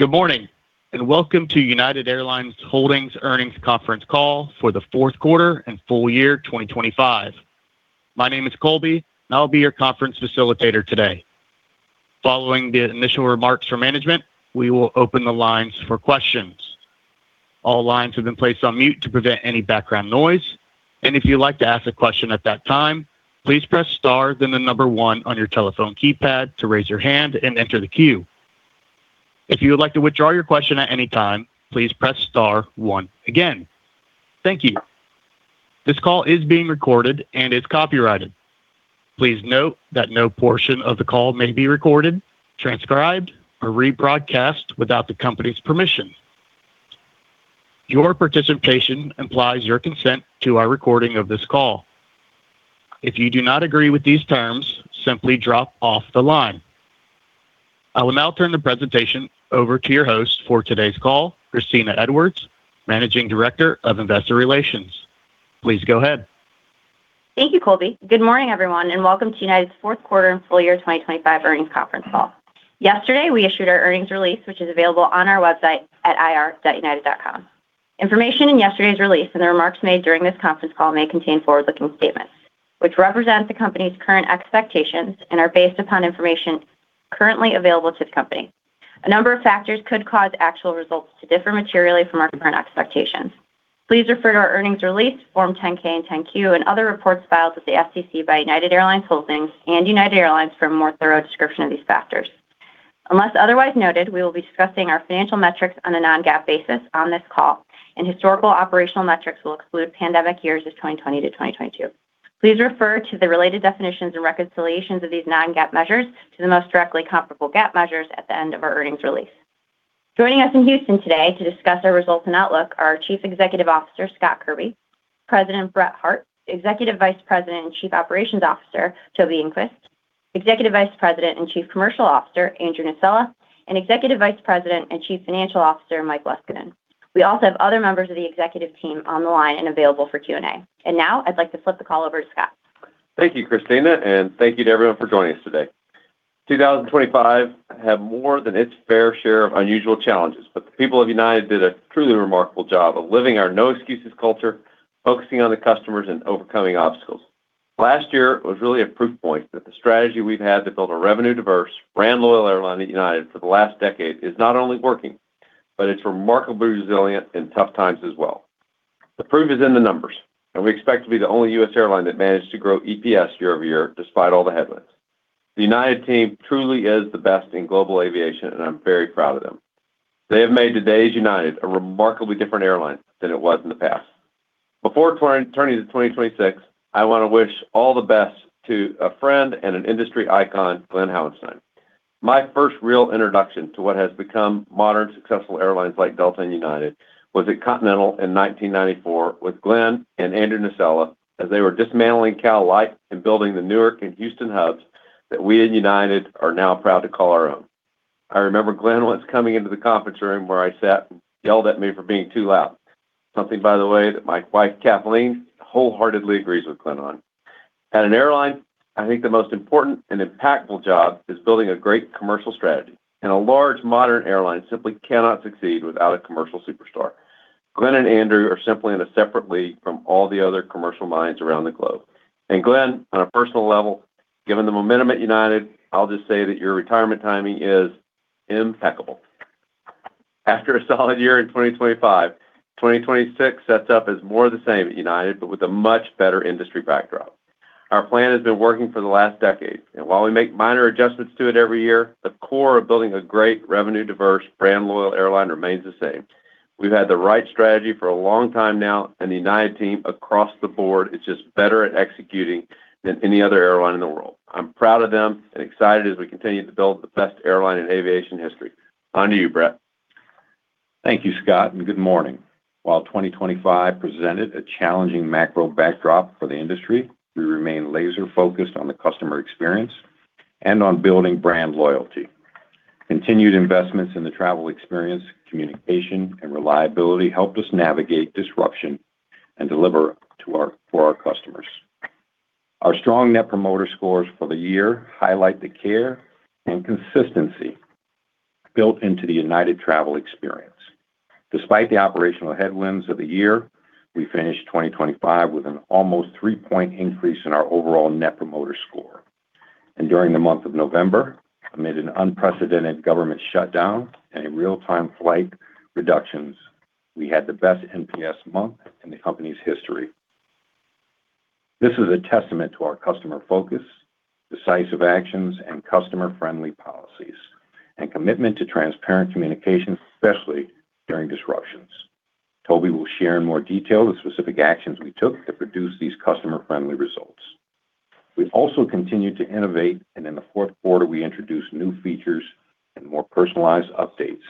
Good morning, and welcome to United Airlines Holdings' earnings conference call for the fourth quarter and full year 2025. My name is Colby, and I'll be your conference facilitator today. Following the initial remarks from management, we will open the lines for questions. All lines have been placed on mute to prevent any background noise, and if you'd like to ask a question at that time, please press star, then the number one on your telephone keypad to raise your hand and enter the queue. If you would like to withdraw your question at any time, please press star once again. Thank you. This call is being recorded and is copyrighted. Please note that no portion of the call may be recorded, transcribed, or rebroadcast without the company's permission. Your participation implies your consent to our recording of this call. If you do not agree with these terms, simply drop off the line. I will now turn the presentation over to your host for today's call, Kristina Edwards, Managing Director of Investor Relations. Please go ahead. Thank you, Colby. Good morning, everyone, and welcome to United's fourth quarter and full year 2025 earnings conference call. Yesterday, we issued our earnings release, which is available on our website at ir.united.com. Information in yesterday's release and the remarks made during this conference call may contain forward-looking statements, which represent the company's current expectations and are based upon information currently available to the company. A number of factors could cause actual results to differ materially from our current expectations. Please refer to our earnings release, Form 10-K and 10-Q, and other reports filed with the SEC by United Airlines Holdings and United Airlines for a more thorough description of these factors. Unless otherwise noted, we will be discussing our financial metrics on a non-GAAP basis on this call, and historical operational metrics will exclude pandemic years of 2020 to 2022. Please refer to the related definitions and reconciliations of these non-GAAP measures to the most directly comparable GAAP measures at the end of our earnings release. Joining us in Houston today to discuss our results and outlook are Chief Executive Officer Scott Kirby, President Brett Hart, Executive Vice President and Chief Operations Officer Toby Enqvist, Executive Vice President and Chief Commercial Officer Andrew Nocella, and Executive Vice President and Chief Financial Officer Mike Leskinen. We also have other members of the executive team on the line and available for Q&A. And now, I'd like to flip the call over to Scott. Thank you, Kristina, and thank you to everyone for joining us today. 2025 had more than its fair share of unusual challenges, but the people of United did a truly remarkable job of living our no-excuses culture, focusing on the customers and overcoming obstacles. Last year was really a proof point that the strategy we've had to build a revenue-diverse, brand-loyal airline at United for the last decade is not only working, but it's remarkably resilient in tough times as well. The proof is in the numbers, and we expect to be the only U.S. airline that managed to grow EPS year-over-year despite all the headwinds. The United team truly is the best in global aviation, and I'm very proud of them. They have made today's United a remarkably different airline than it was in the past. Before turning to 2026, I want to wish all the best to a friend and an industry icon, Glen Hauenstein. My first real introduction to what has become modern, successful airlines like Delta and United was at Continental in 1994 with Glen and Andrew Nocella as they were dismantling CALite and building the Newark and Houston hubs that we at United are now proud to call our own. I remember Glen once coming into the conference room where I sat and yelled at me for being too loud, something, by the way, that my wife, Kathleen, wholeheartedly agrees with Glen on. At an airline, I think the most important and impactful job is building a great commercial strategy, and a large modern airline simply cannot succeed without a commercial superstar. Glen and Andrew are simply in a separate league from all the other commercial minds around the globe. And Glen, on a personal level, given the momentum at United, I'll just say that your retirement timing is impeccable. After a solid year in 2025, 2026 sets up as more of the same at United, but with a much better industry backdrop. Our plan has been working for the last decade, and while we make minor adjustments to it every year, the core of building a great, revenue-diverse, brand-loyal airline remains the same. We've had the right strategy for a long time now, and the United team across the board is just better at executing than any other airline in the world. I'm proud of them and excited as we continue to build the best airline in aviation history. On to you, Brett. Thank you, Scott, and good morning. While 2025 presented a challenging macro backdrop for the industry, we remain laser-focused on the customer experience and on building brand loyalty. Continued investments in the travel experience, communication, and reliability helped us navigate disruption and deliver for our customers. Our strong Net Promoter Scores for the year highlight the care and consistency built into the United travel experience. Despite the operational headwinds of the year, we finished 2025 with an almost three-point increase in our overall Net Promoter Score. And during the month of November, amid an unprecedented government shutdown and real-time flight reductions, we had the best NPS month in the company's history. This is a testament to our customer focus, decisive actions, and customer-friendly policies, and commitment to transparent communication, especially during disruptions. Toby will share in more detail the specific actions we took to produce these customer-friendly results. We also continue to innovate, and in the fourth quarter, we introduced new features and more personalized updates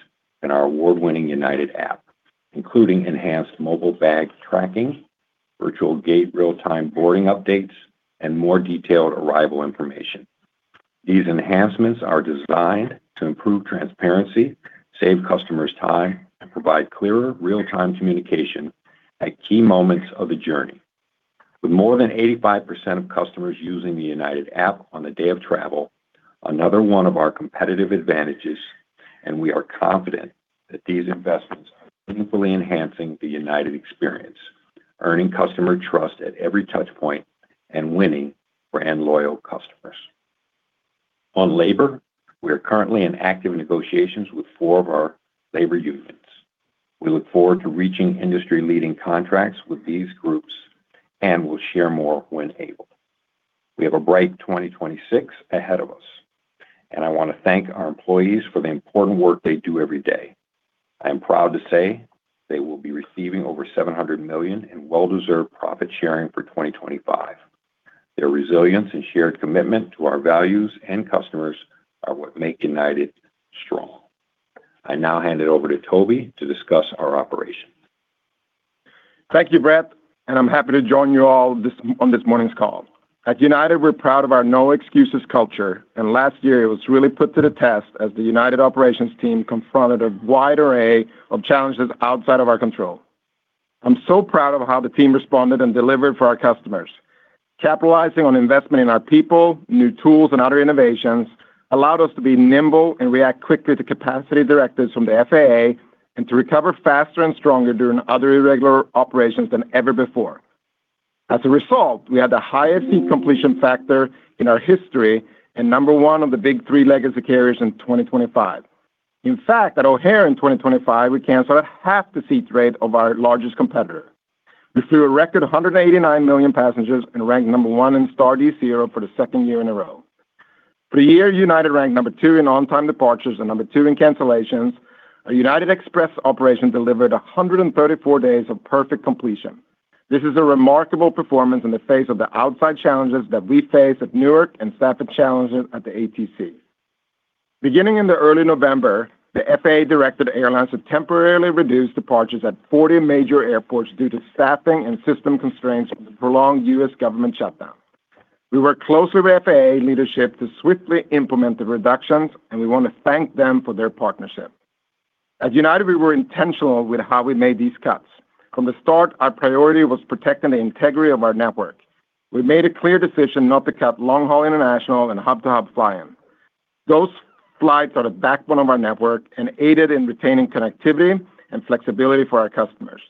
in our award-winning United app, including enhanced mobile bag tracking, virtual gate real-time boarding updates, and more detailed arrival information. These enhancements are designed to improve transparency, save customers time, and provide clearer, real-time communication at key moments of the journey. With more than 85% of customers using the United app on the day of travel, another one of our competitive advantages, and we are confident that these investments are meaningfully enhancing the United experience, earning customer trust at every touchpoint and winning brand-loyal customers. On labor, we are currently in active negotiations with four of our labor unions. We look forward to reaching industry-leading contracts with these groups and will share more when able. We have a bright 2026 ahead of us, and I want to thank our employees for the important work they do every day. I am proud to say they will be receiving over $700 million in well-deserved profit sharing for 2025. Their resilience and shared commitment to our values and customers are what make United strong. I now hand it over to Toby to discuss our operation. Thank you, Brett, and I'm happy to join you all on this morning's call. At United, we're proud of our no-excuses culture, and last year, it was really put to the test as the United operations team confronted a wide array of challenges outside of our control. I'm so proud of how the team responded and delivered for our customers. Capitalizing on investment in our people, new tools, and other innovations allowed us to be nimble and react quickly to capacity directives from the FAA and to recover faster and stronger during other irregular operations than ever before. As a result, we had the highest seat completion factor in our history and number one of the big three legacy carriers in 2025. In fact, at O'Hare in 2025, we canceled a half the seat rate of our largest competitor. We flew a record 189 million passengers and ranked number one in Star D0 for the second year in a row. For a year, United ranked number two in on-time departures and number two in cancellations. Our United Express operation delivered 134 days of perfect completion. This is a remarkable performance in the face of the outside challenges that we face at Newark and staffing challenges at the ATC. Beginning in early November, the FAA directed airlines to temporarily reduce departures at 40 major airports due to staffing and system constraints from the prolonged U.S. government shutdown. We worked closely with FAA leadership to swiftly implement the reductions, and we want to thank them for their partnership. At United, we were intentional with how we made these cuts. From the start, our priority was protecting the integrity of our network. We made a clear decision not to cut long-haul international and hub-to-hub flying. Those flights are the backbone of our network and aided in retaining connectivity and flexibility for our customers.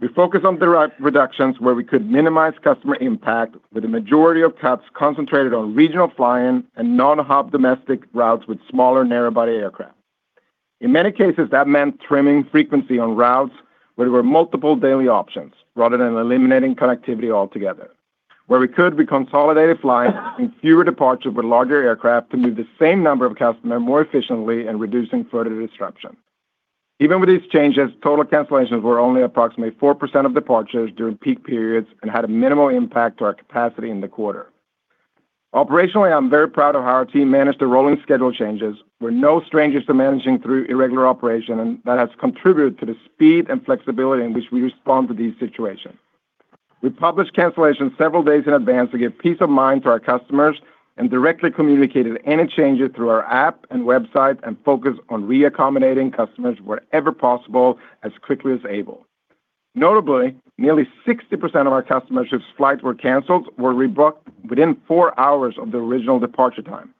We focused on the reductions where we could minimize customer impact with a majority of cuts concentrated on regional flying and non-hub domestic routes with smaller narrowbody aircraft. In many cases, that meant trimming frequency on routes where there were multiple daily options rather than eliminating connectivity altogether. Where we could, we consolidated flying in fewer departures with larger aircraft to move the same number of customers more efficiently and reducing further disruption. Even with these changes, total cancellations were only approximately 4% of departures during peak periods and had a minimal impact on our capacity in the quarter. Operationally, I'm very proud of how our team managed the rolling schedule changes. We're no strangers to managing through irregular operation, and that has contributed to the speed and flexibility in which we respond to these situations. We published cancellations several days in advance to give peace of mind to our customers and directly communicated any changes through our app and website and focused on reaccommodating customers wherever possible as quickly as able. Notably, nearly 60% of our customers whose flights were canceled were rebooked within four hours of the original departure time.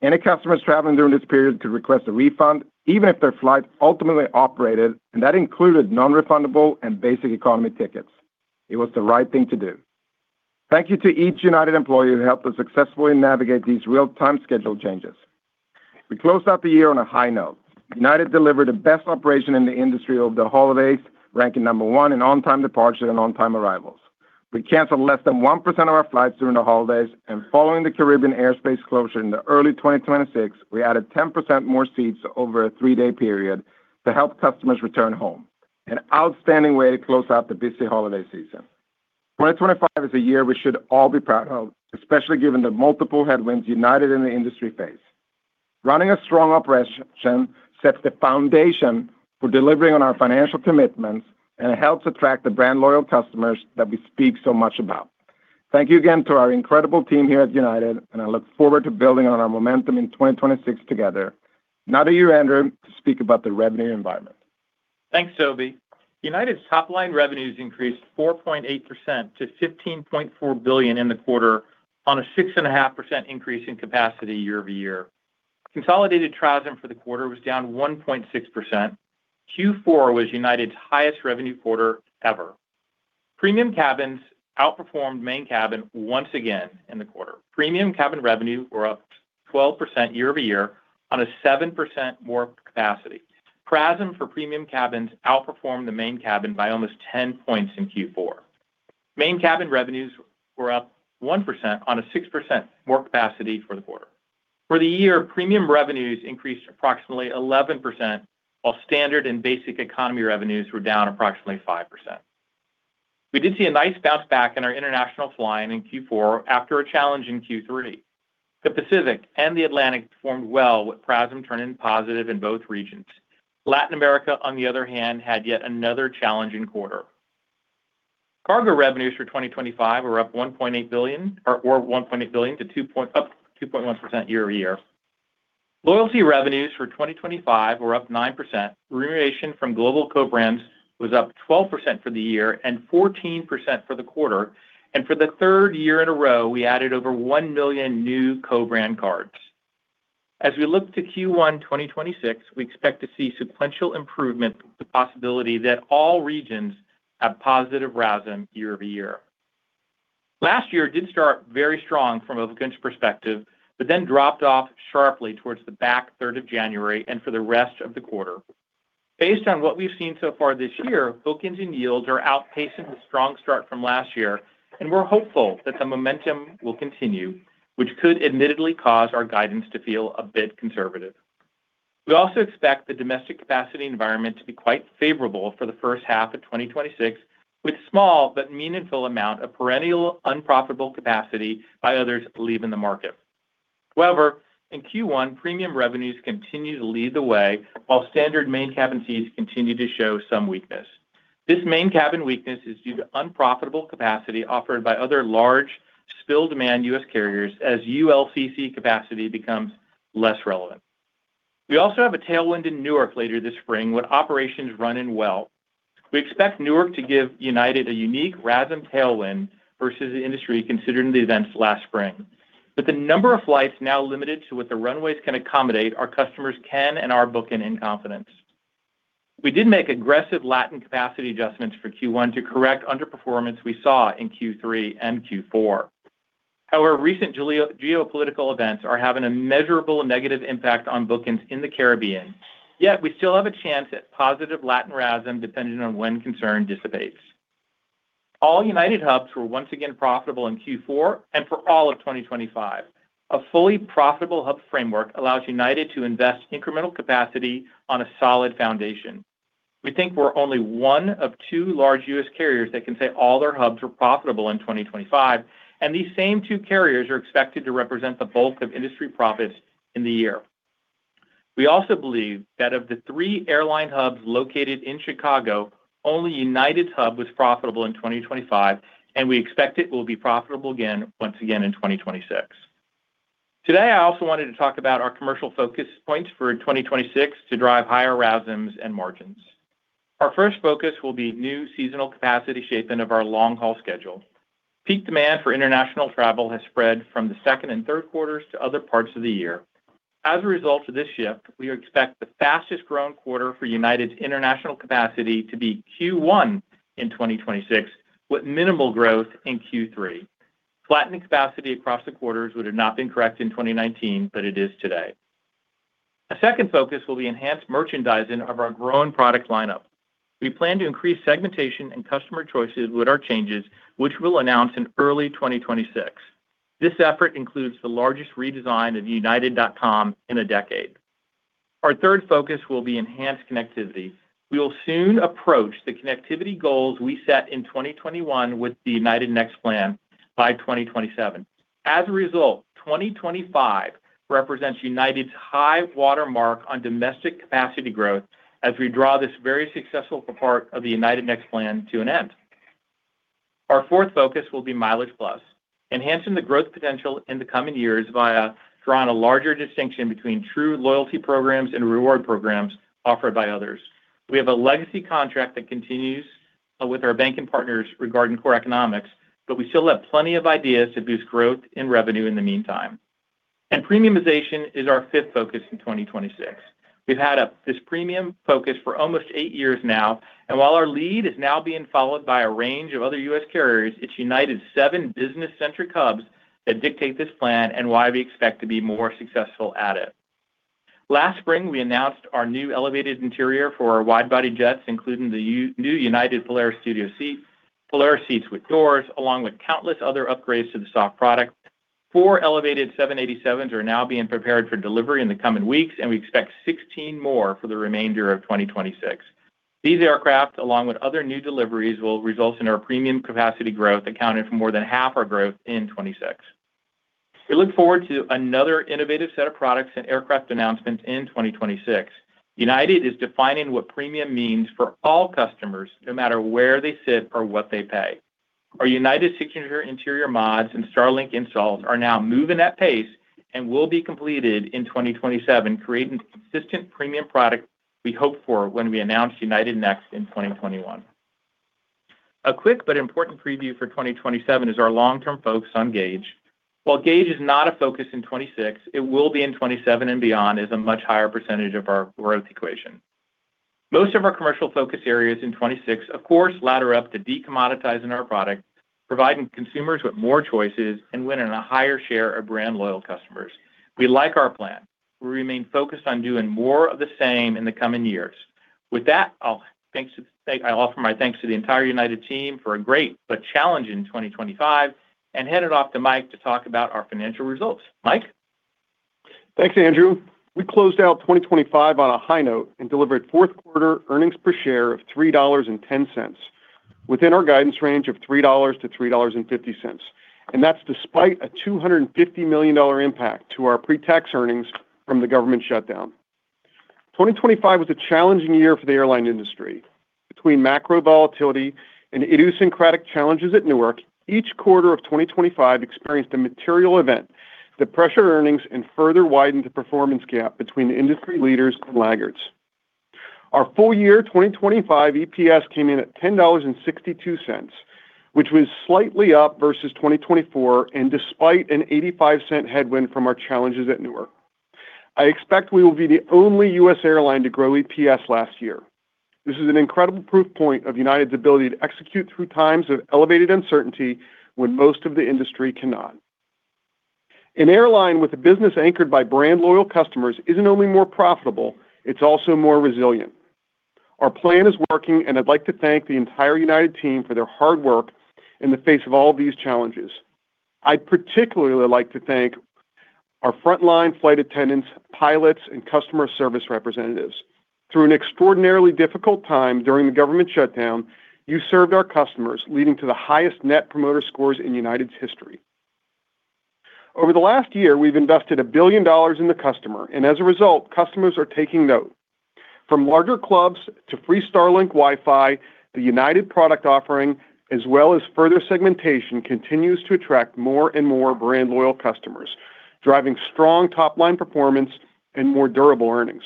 Any customers traveling during this period could request a refund, even if their flight ultimately operated, and that included non-refundable and Basic Economy tickets. It was the right thing to do. Thank you to each United employee who helped us successfully navigate these real-time schedule changes. We closed out the year on a high note. United delivered the best operation in the industry over the holidays, ranking number one in on-time departures and on-time arrivals. We canceled less than 1% of our flights during the holidays, and following the Caribbean airspace closure in the early 2026, we added 10% more seats over a three-day period to help customers return home. An outstanding way to close out the busy holiday season. 2025 is a year we should all be proud of, especially given the multiple headwinds United and the industry face. Running a strong operation sets the foundation for delivering on our financial commitments and helps attract the brand-loyal customers that we speak so much about. Thank you again to our incredible team here at United, and I look forward to building on our momentum in 2026 together. Now to you, Andrew, to speak about the revenue environment. Thanks, Toby. United's top-line revenues increased 4.8% to $15.4 billion in the quarter on a 6.5% increase in capacity year-over-year. Consolidated TRASM for the quarter was down 1.6%. Q4 was United's highest revenue quarter ever. Premium cabins outperformed main cabin once again in the quarter. Premium cabin revenues were up 12% year-over-year on a 7% more capacity. PRASM for premium cabins outperformed the main cabin by almost 10 points in Q4. Main cabin revenues were up 1% on a 6% more capacity for the quarter. For the year, premium revenues increased approximately 11%, while standard and basic economy revenues were down approximately 5%. We did see a nice bounce back in our international flying in Q4 after a challenge in Q3. The Pacific and the Atlantic performed well, with PRASM turning positive in both regions. Latin America, on the other hand, had yet another challenge in quarter. Cargo revenues for 2025 were up $1.8 billion to 2.1% year-over-year. Loyalty revenues for 2025 were up 9%. Remuneration from global co-brands was up 12% for the year and 14% for the quarter, and for the third year in a row, we added over 1 million new co-brand cards. As we look to Q1 2026, we expect to see sequential improvement with the possibility that all regions have positive RASM year-over-year. Last year did start very strong from a bookings perspective, but then dropped off sharply towards the back third of January and for the rest of the quarter. Based on what we've seen so far this year, bookings and yields are outpacing the strong start from last year, and we're hopeful that the momentum will continue, which could admittedly cause our guidance to feel a bit conservative. We also expect the domestic capacity environment to be quite favorable for the first half of 2026, with a small but meaningful amount of perennial unprofitable capacity by others leaving the market. However, in Q1, premium revenues continue to lead the way, while standard main cabin seats continue to show some weakness. This main cabin weakness is due to unprofitable capacity offered by other large, spill-demand U.S. carriers as ULCC capacity becomes less relevant. We also have a tailwind in Newark later this spring when operations run well. We expect Newark to give United a unique RASM tailwind versus the industry considering the events last spring. But the number of flights is now limited to what the runways can accommodate, and our customers can and are booking in confidence. We did make aggressive Latin capacity adjustments for Q1 to correct underperformance we saw in Q3 and Q4. However, recent geopolitical events are having a measurable negative impact on bookings in the Caribbean. Yet, we still have a chance at positive Latin RASM depending on when concern dissipates. All United hubs were once again profitable in Q4 and for all of 2025. A fully profitable hub framework allows United to invest incremental capacity on a solid foundation. We think we're only one of two large U.S. carriers that can say all their hubs were profitable in 2025, and these same two carriers are expected to represent the bulk of industry profits in the year. We also believe that of the three airline hubs located in Chicago, only United's hub was profitable in 2025, and we expect it will be profitable again once again in 2026. Today, I also wanted to talk about our commercial focus points for 2026 to drive higher RASMs and margins. Our first focus will be new seasonal capacity shaping of our long-haul schedule. Peak demand for international travel has spread from the second and third quarters to other parts of the year. As a result of this shift, we expect the fastest growing quarter for United's international capacity to be Q1 in 2026, with minimal growth in Q3. Flattening capacity across the quarters would have not been correct in 2019, but it is today. A second focus will be enhanced merchandising of our growing product lineup. We plan to increase segmentation and customer choices with our changes, which we'll announce in early 2026. This effort includes the largest redesign of United.com in a decade. Our third focus will be enhanced connectivity. We will soon approach the connectivity goals we set in 2021 with the United Next plan by 2027. As a result, 2025 represents United's high watermark on domestic capacity growth as we draw this very successful part of the United Next plan to an end. Our fourth focus will be MileagePlus, enhancing the growth potential in the coming years via drawing a larger distinction between true loyalty programs and reward programs offered by others. We have a legacy contract that continues with our banking partners regarding core economics, but we still have plenty of ideas to boost growth and revenue in the meantime, and premiumization is our fifth focus in 2026. We've had this premium focus for almost eight years now, and while our lead is now being followed by a range of other U.S. carriers, it's United's seven business-centric hubs that dictate this plan and why we expect to be more successful at it. Last spring, we announced our new elevated interior for our widebody jets, including the new United Polaris suite, Polaris seats with doors, along with countless other upgrades to the soft product. Four elevated 787s are now being prepared for delivery in the coming weeks, and we expect 16 more for the remainder of 2026. These aircraft, along with other new deliveries, will result in our premium capacity growth accounting for more than half our growth in 2026. We look forward to another innovative set of products and aircraft announcements in 2026. United is defining what premium means for all customers, no matter where they sit or what they pay. Our United Signature Interior mods and Starlink installs are now moving at that pace and will be completed in 2027, creating a consistent premium product we hope for when we announce United Next in 2021. A quick but important preview for 2027 is our long-term focus on gauge. While gauge is not a focus in 2026, it will be in 2027 and beyond as a much higher percentage of our growth equation. Most of our commercial focus areas in 2026, of course, ladder up to decommoditizing our product, providing consumers with more choices and winning a higher share of brand-loyal customers. We like our plan. We remain focused on doing more of the same in the coming years. With that, I'll offer my thanks to the entire United team for a great but challenging 2025 and hand it off to Mike to talk about our financial results. Mike. Thanks, Andrew. We closed out 2025 on a high note and delivered fourth-quarter earnings per share of $3.10 within our guidance range of $3-$3.50, and that's despite a $250 million impact to our pre-tax earnings from the government shutdown. 2025 was a challenging year for the airline industry. Between macro volatility and idiosyncratic challenges at Newark, each quarter of 2025 experienced a material event that pressured earnings and further widened the performance gap between industry leaders and laggards. Our full-year 2025 EPS came in at $10.62, which was slightly up versus 2024, and despite a $0.85 headwind from our challenges at Newark. I expect we will be the only U.S. airline to grow EPS last year. This is an incredible proof point of United's ability to execute through times of elevated uncertainty when most of the industry cannot. An airline with a business anchored by brand-loyal customers isn't only more profitable, it's also more resilient. Our plan is working, and I'd like to thank the entire United team for their hard work in the face of all of these challenges. I'd particularly like to thank our frontline flight attendants, pilots, and customer service representatives. Through an extraordinarily difficult time during the government shutdown, you served our customers, leading to the highest net promoter scores in United's history. Over the last year, we've invested $1 billion in the customer, and as a result, customers are taking note. From larger clubs to free Starlink Wi-Fi, the United product offering, as well as further segmentation, continues to attract more and more brand-loyal customers, driving strong top-line performance and more durable earnings.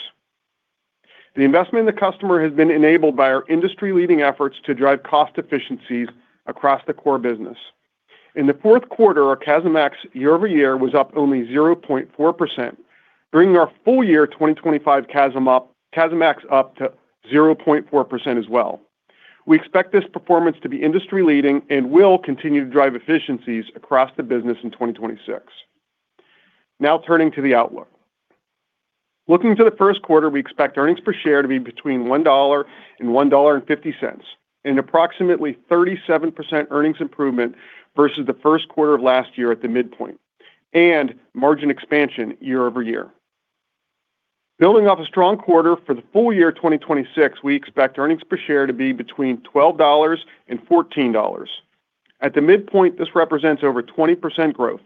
The investment in the customer has been enabled by our industry-leading efforts to drive cost efficiencies across the core business. In the fourth quarter, our CASM-ex year-over-year was up only 0.4%, bringing our full-year 2025 CASM-ex up to 0.4% as well. We expect this performance to be industry-leading and will continue to drive efficiencies across the business in 2026. Now turning to the outlook. Looking to the first quarter, we expect earnings per share to be between $1 and $1.50, an approximately 37% earnings improvement versus the first quarter of last year at the midpoint, and margin expansion year-over-year. Building off a strong quarter for the full year 2026, we expect earnings per share to be between $12 and $14. At the midpoint, this represents over 20% growth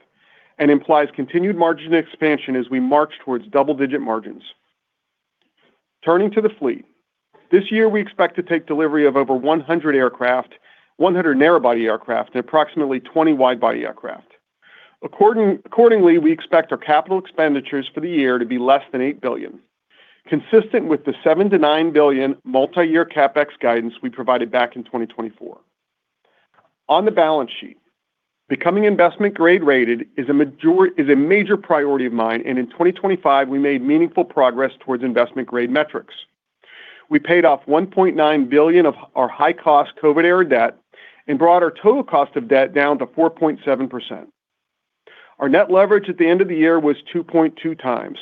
and implies continued margin expansion as we march towards double-digit margins. Turning to the fleet, this year we expect to take delivery of over 100 aircraft, 100 narrowbody aircraft, and approximately 20 widebody aircraft. Accordingly, we expect our capital expenditures for the year to be less than $8 billion, consistent with the $7-$9 billion multi-year CapEx guidance we provided back in 2024. On the balance sheet, becoming investment-grade rated is a major priority of mine, and in 2025, we made meaningful progress towards investment-grade metrics. We paid off $1.9 billion of our high-cost COVID-era debt and brought our total cost of debt down to 4.7%. Our net leverage at the end of the year was 2.2 times.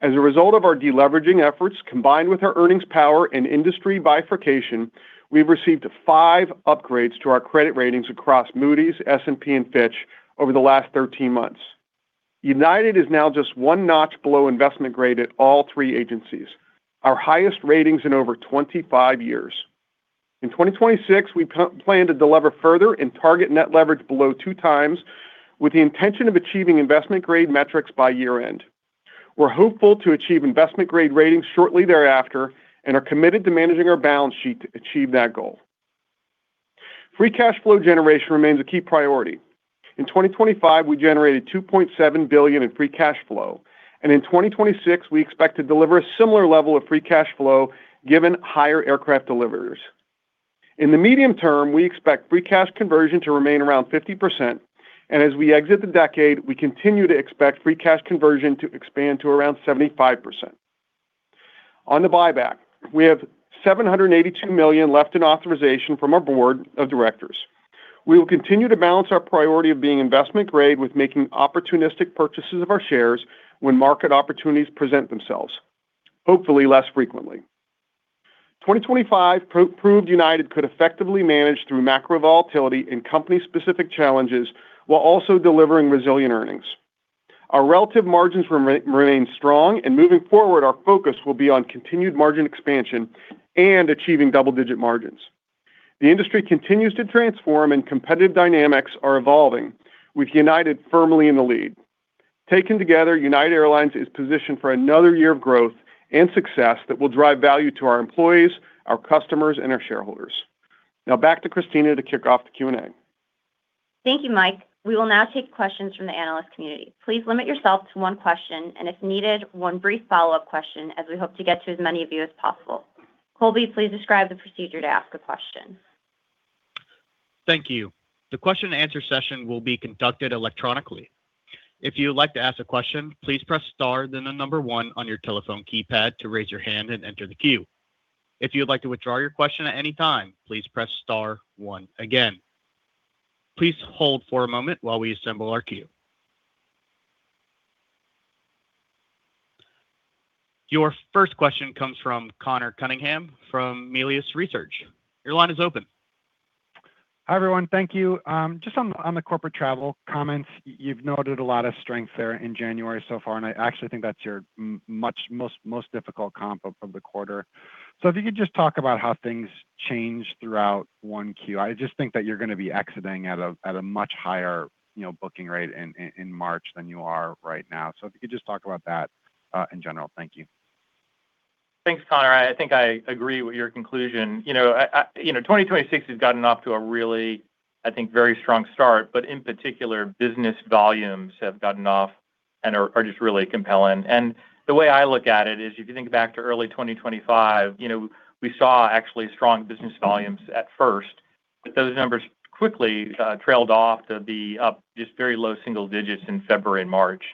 As a result of our deleveraging efforts, combined with our earnings power and industry bifurcation, we've received five upgrades to our credit ratings across Moody's, S&P, and Fitch over the last 13 months. United is now just one notch below investment-grade at all three agencies, our highest ratings in over 25 years. In 2026, we plan to deliver further and target net leverage below two times with the intention of achieving investment-grade metrics by year-end. We're hopeful to achieve investment-grade ratings shortly thereafter and are committed to managing our balance sheet to achieve that goal. Free cash flow generation remains a key priority. In 2025, we generated $2.7 billion in free cash flow, and in 2026, we expect to deliver a similar level of free cash flow given higher aircraft deliveries. In the medium term, we expect free cash conversion to remain around 50%, and as we exit the decade, we continue to expect free cash conversion to expand to around 75%. On the buyback, we have $782 million left in authorization from our board of directors. We will continue to balance our priority of being investment-grade with making opportunistic purchases of our shares when market opportunities present themselves, hopefully less frequently. 2025 proved United could effectively manage through macro volatility and company-specific challenges while also delivering resilient earnings. Our relative margins remain strong, and moving forward, our focus will be on continued margin expansion and achieving double-digit margins. The industry continues to transform, and competitive dynamics are evolving, with United firmly in the lead. Taken together, United Airlines is positioned for another year of growth and success that will drive value to our employees, our customers, and our shareholders. Now, back to Kristina to kick off the Q&A. Thank you, Mike. We will now take questions from the analyst community. Please limit yourself to one question and, if needed, one brief follow-up question as we hope to get to as many of you as possible. Colby, please describe the procedure to ask a question. Thank you. The question-and-answer session will be conducted electronically. If you would like to ask a question, please press star then the number one on your telephone keypad to raise your hand and enter the queue. If you'd like to withdraw your question at any time, please press star one again. Please hold for a moment while we assemble our queue. Your first question comes from Conor Cunningham from Melius Research. Your line is open. Hi, everyone. Thank you. Just on the corporate travel comments, you've noted a lot of strength there in January so far, and I actually think that's your most difficult comp of the quarter. So if you could just talk about how things changed throughout Q1. I just think that you're going to be exiting at a much higher booking rate in March than you are right now. So if you could just talk about that in general. Thank you. Thanks, Conor. I think I agree with your conclusion. 2026 has gotten off to a really, I think, very strong start, but in particular, business volumes have gotten off and are just really compelling, and the way I look at it is if you think back to early 2025, we saw actually strong business volumes at first, but those numbers quickly trailed off to be up just very low single digits in February and March.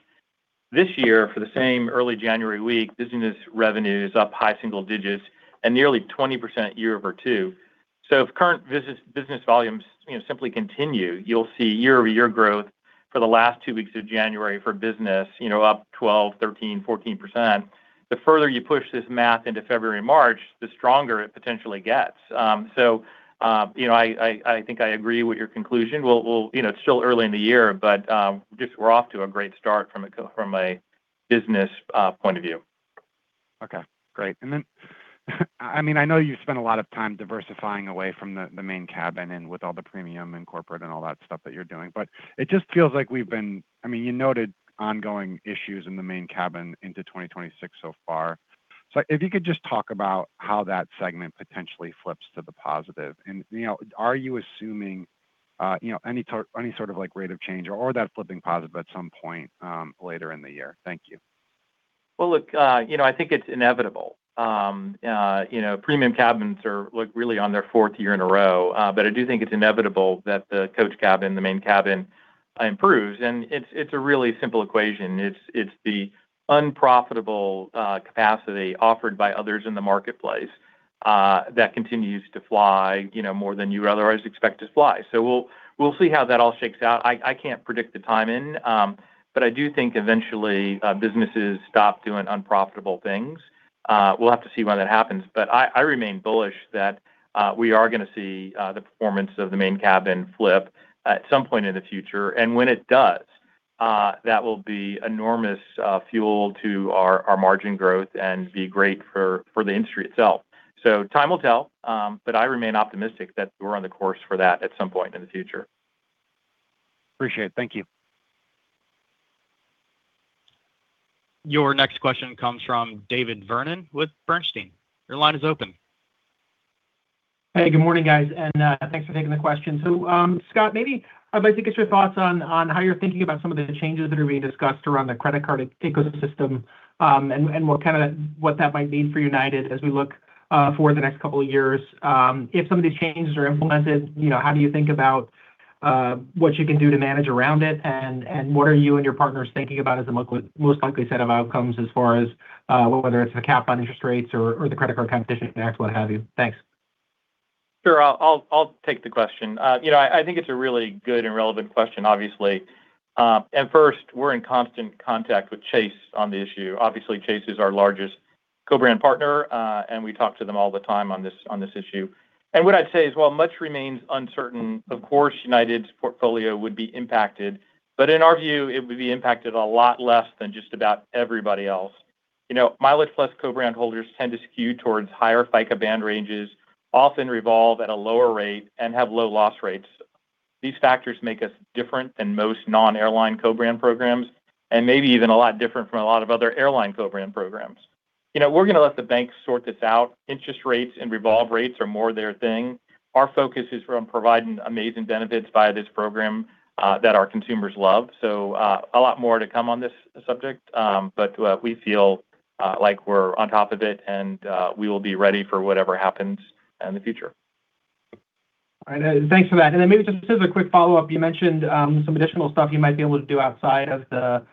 This year, for the same early January week, business revenue is up high single digits and nearly 20% year-over-year, so if current business volumes simply continue, you'll see year-over-year growth for the last two weeks of January for business up 12%, 13%, 14%. The further you push this math into February and March, the stronger it potentially gets, so I think I agree with your conclusion. It's still early in the year, but we're off to a great start from a business point of view. Okay. Great. And then, I mean, I know you spent a lot of time diversifying away from the main cabin and with all the premium and corporate and all that stuff that you're doing, but it just feels like we've been, I mean, you noted ongoing issues in the main cabin into 2026 so far. So if you could just talk about how that segment potentially flips to the positive. And are you assuming any sort of rate of change or that flipping positive at some point later in the year? Thank you. Look, I think it's inevitable. Premium cabins look really on their fourth year in a row, but I do think it's inevitable that the coach cabin, the main cabin, improves. It's a really simple equation. It's the unprofitable capacity offered by others in the marketplace that continues to fly more than you otherwise expect to fly. We'll see how that all shakes out. I can't predict the timing, but I do think eventually businesses stop doing unprofitable things. We'll have to see when that happens, but I remain bullish that we are going to see the performance of the main cabin flip at some point in the future. When it does, that will be enormous fuel to our margin growth and be great for the industry itself. So time will tell, but I remain optimistic that we're on the course for that at some point in the future. Appreciate it. Thank you. Your next question comes from David Vernon with Bernstein. Your line is open. Hey, good morning, guys, and thanks for taking the question. So Scott, maybe I'd like to get your thoughts on how you're thinking about some of the changes that are being discussed around the credit card ecosystem and what that might mean for United as we look for the next couple of years. If some of these changes are implemented, how do you think about what you can do to manage around it, and what are you and your partners thinking about as the most likely set of outcomes as far as whether it's the cap on interest rates or the credit card competition attacks, what have you? Thanks. Sure. I'll take the question. I think it's a really good and relevant question, obviously. And first, we're in constant contact with Chase on the issue. Obviously, Chase is our largest co-brand partner, and we talk to them all the time on this issue. And what I'd say is, while much remains uncertain, of course, United's portfolio would be impacted, but in our view, it would be impacted a lot less than just about everybody else. MileagePlus co-brand holders tend to skew towards higher FICO band ranges, often revolve at a lower rate, and have low loss rates. These factors make us different than most non-airline co-brand programs and maybe even a lot different from a lot of other airline co-brand programs. We're going to let the banks sort this out. Interest rates and revolve rates are more their thing. Our focus is on providing amazing benefits via this program that our consumers love. So a lot more to come on this subject, but we feel like we're on top of it, and we will be ready for whatever happens in the future. All right. Thanks for that, and then maybe just as a quick follow-up, you mentioned some additional stuff you might be able to do outside of, on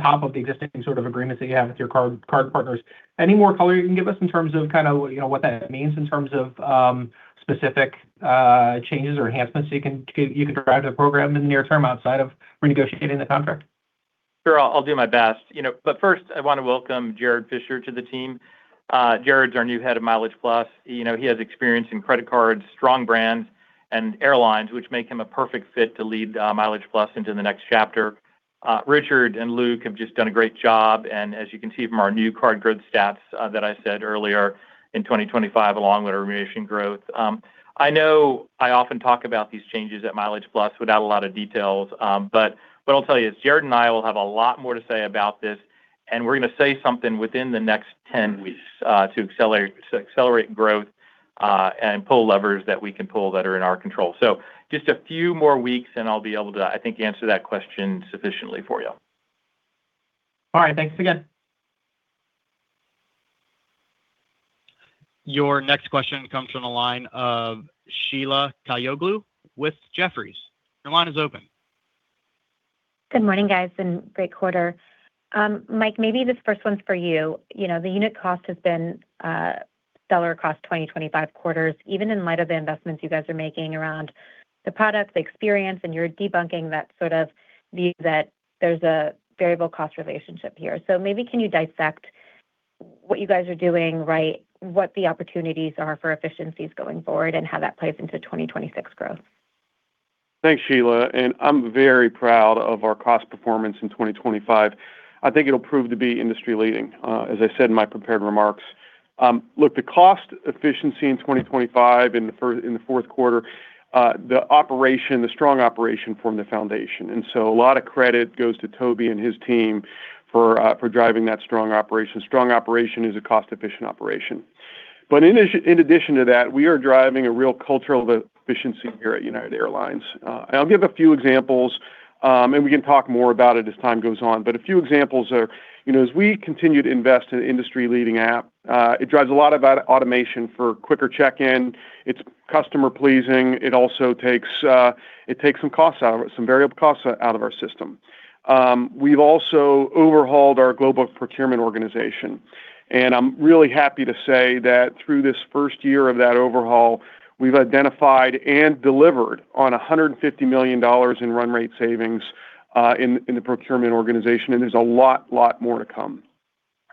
top of the existing sort of agreements that you have with your card partners. Any more color you can give us in terms of kind of what that means in terms of specific changes or enhancements you can drive to the program in the near term outside of renegotiating the contract? Sure. I'll do my best. But first, I want to welcome Jared Fisher to the team. Jared's our new head of MileagePlus. He has experience in credit cards, strong brands, and airlines, which make him a perfect fit to lead MileagePlus into the next chapter. Richard and Luc have just done a great job, and as you can see from our new card growth stats that I said earlier in 2025, along with our redemption growth. I know I often talk about these changes at MileagePlus without a lot of details, but what I'll tell you is Jared and I will have a lot more to say about this, and we're going to say something within the next 10 weeks to accelerate growth and pull levers that we can pull that are in our control. So, just a few more weeks, and I'll be able to, I think, answer that question sufficiently for you. All right. Thanks again. Your next question comes from the line of Sheila Kahyaoglu with Jefferies. Your line is open. Good morning, guys. It's been a great quarter. Mike, maybe this first one's for you. The unit cost has been stellar across 2025 quarters, even in light of the investments you guys are making around the product, the experience, and your debunking that sort of view that there's a variable cost relationship here. So maybe can you dissect what you guys are doing, right, what the opportunities are for efficiencies going forward, and how that plays into 2026 growth? Thanks, Sheila. And I'm very proud of our cost performance in 2025. I think it'll prove to be industry-leading, as I said in my prepared remarks. Look, the cost efficiency in 2025 in the fourth quarter, the operation, the strong operation formed the foundation. And so a lot of credit goes to Toby and his team for driving that strong operation. Strong operation is a cost-efficient operation. But in addition to that, we are driving a real cultural efficiency here at United Airlines. And I'll give a few examples, and we can talk more about it as time goes on, but a few examples are as we continue to invest in an industry-leading app, it drives a lot of automation for quicker check-in. It's customer-pleasing. It also takes some variable costs out of our system. We've also overhauled our global procurement organization. And I'm really happy to say that through this first year of that overhaul, we've identified and delivered on $150 million in run rate savings in the procurement organization, and there's a lot, lot more to come.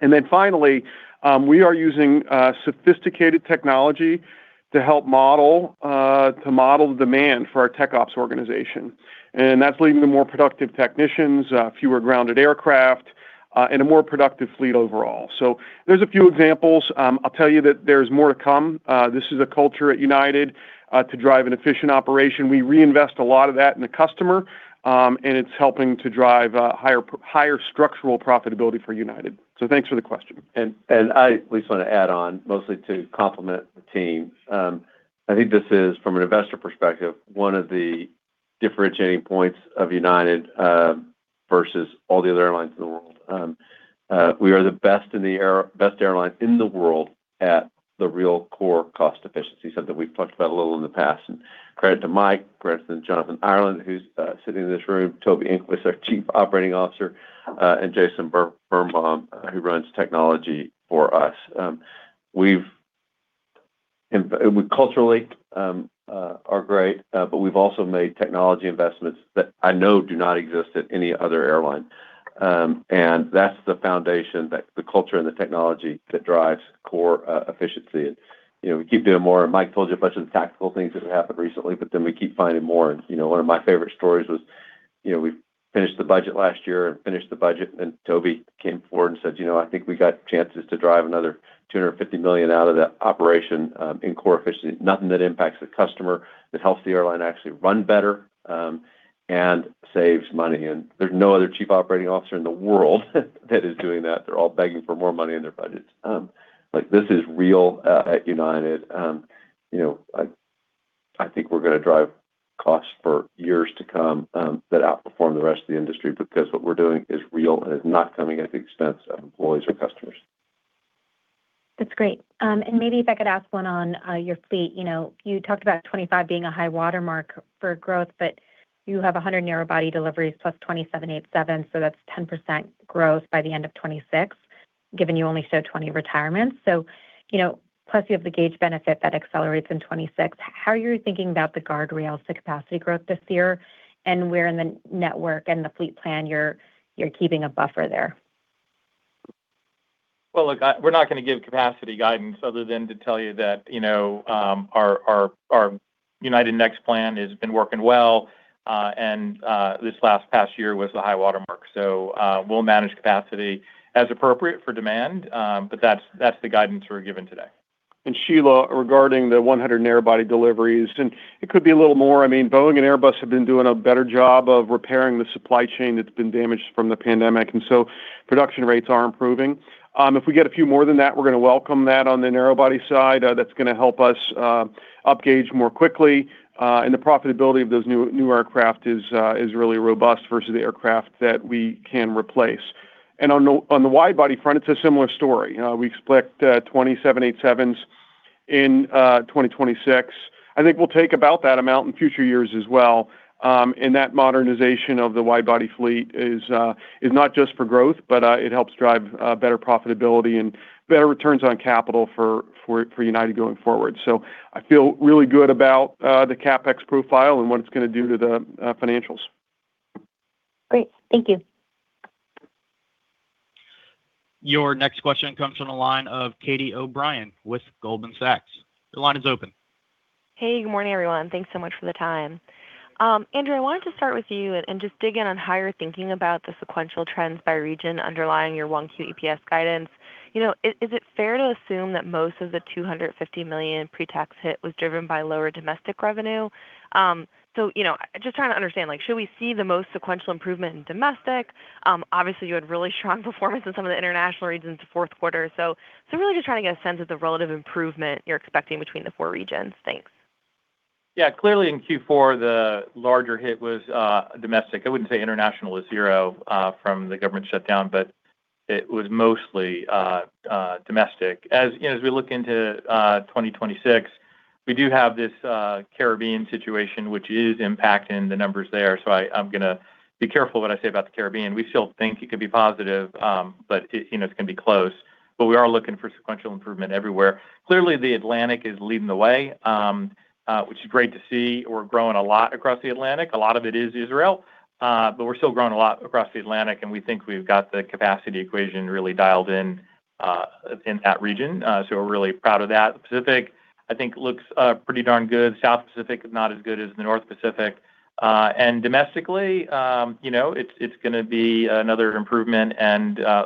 And then finally, we are using sophisticated technology to help model the demand for our tech ops organization. And that's leading to more productive technicians, fewer grounded aircraft, and a more productive fleet overall. So there's a few examples. I'll tell you that there's more to come. This is a culture at United to drive an efficient operation. We reinvest a lot of that in the customer, and it's helping to drive higher structural profitability for United. So thanks for the question. I at least want to add on, mostly to complement the team. I think this is, from an investor perspective, one of the differentiating points of United versus all the other airlines in the world. We are the best airline in the world at the real core cost efficiency, something we've talked about a little in the past. Credit to Mike, credit to Jonathan Ireland, who's sitting in this room, Toby Enqvist, our Chief Operating Officer, and Jason Birnbaum, who runs technology for us. Culturally, we are great, but we've also made technology investments that I know do not exist at any other airline. That's the foundation, the culture, and the technology that drives core efficiency. We keep doing more. Mike told you a bunch of the tactical things that have happened recently, but then we keep finding more. One of my favorite stories was we finished the budget last year and finished the budget, and Toby came forward and said, "I think we got chances to drive another $250 million out of that operation in core efficiency." Nothing that impacts the customer, that helps the airline actually run better and saves money, and there's no other Chief Operating Officer in the world that is doing that. They're all begging for more money in their budgets. This is real at United. I think we're going to drive costs for years to come that outperform the rest of the industry because what we're doing is real and is not coming at the expense of employees or customers. That's great. And maybe if I could ask one on your fleet. You talked about 2025 being a high watermark for growth, but you have 100 narrow-body deliveries plus 20 787s, so that's 10% growth by the end of 2026, given you only showed 20 retirements. So plus you have the gauge benefit that accelerates in 2026. How are you thinking about the guardrails, the capacity growth this year, and where in the network and the fleet plan you're keeping a buffer there? Look, we're not going to give capacity guidance other than to tell you that our United Next plan has been working well, and this last past year was the high watermark. So we'll manage capacity as appropriate for demand, but that's the guidance we're given today. Sheila, regarding the 100 narrow-body deliveries, it could be a little more. I mean, Boeing and Airbus have been doing a better job of repairing the supply chain that's been damaged from the pandemic, and so production rates are improving. If we get a few more than that, we're going to welcome that on the narrow-body side. That's going to help us upgauge more quickly. And the profitability of those new aircraft is really robust versus the aircraft that we can replace. And on the wide-body front, it's a similar story. We expect 20 787s in 2026. I think we'll take about that amount in future years as well. And that modernization of the wide-body fleet is not just for growth, but it helps drive better profitability and better returns on capital for United going forward. So I feel really good about the CapEx profile and what it's going to do to the financials. Great. Thank you. Your next question comes from the line of Catie O'Brien with Goldman Sachs. Your line is open. Hey, good morning, everyone. Thanks so much for the time. Andrew, I wanted to start with you and just dig in on how you're thinking about the sequential trends by region underlying your 1Q EPS guidance. Is it fair to assume that most of the $250 million pre-tax hit was driven by lower domestic revenue? So just trying to understand, should we see the most sequential improvement in domestic? Obviously, you had really strong performance in some of the international regions the fourth quarter. So really just trying to get a sense of the relative improvement you're expecting between the four regions. Thanks. Yeah. Clearly, in Q4, the larger hit was domestic. I wouldn't say international was zero from the government shutdown, but it was mostly domestic. As we look into 2026, we do have this Caribbean situation, which is impacting the numbers there. So I'm going to be careful what I say about the Caribbean. We still think it could be positive, but it's going to be close. But we are looking for sequential improvement everywhere. Clearly, the Atlantic is leading the way, which is great to see. We're growing a lot across the Atlantic. A lot of it is Israel, but we're still growing a lot across the Atlantic, and we think we've got the capacity equation really dialed in in that region. So we're really proud of that. The Pacific, I think, looks pretty darn good. South Pacific is not as good as the North Pacific. Domestically, it's going to be another improvement.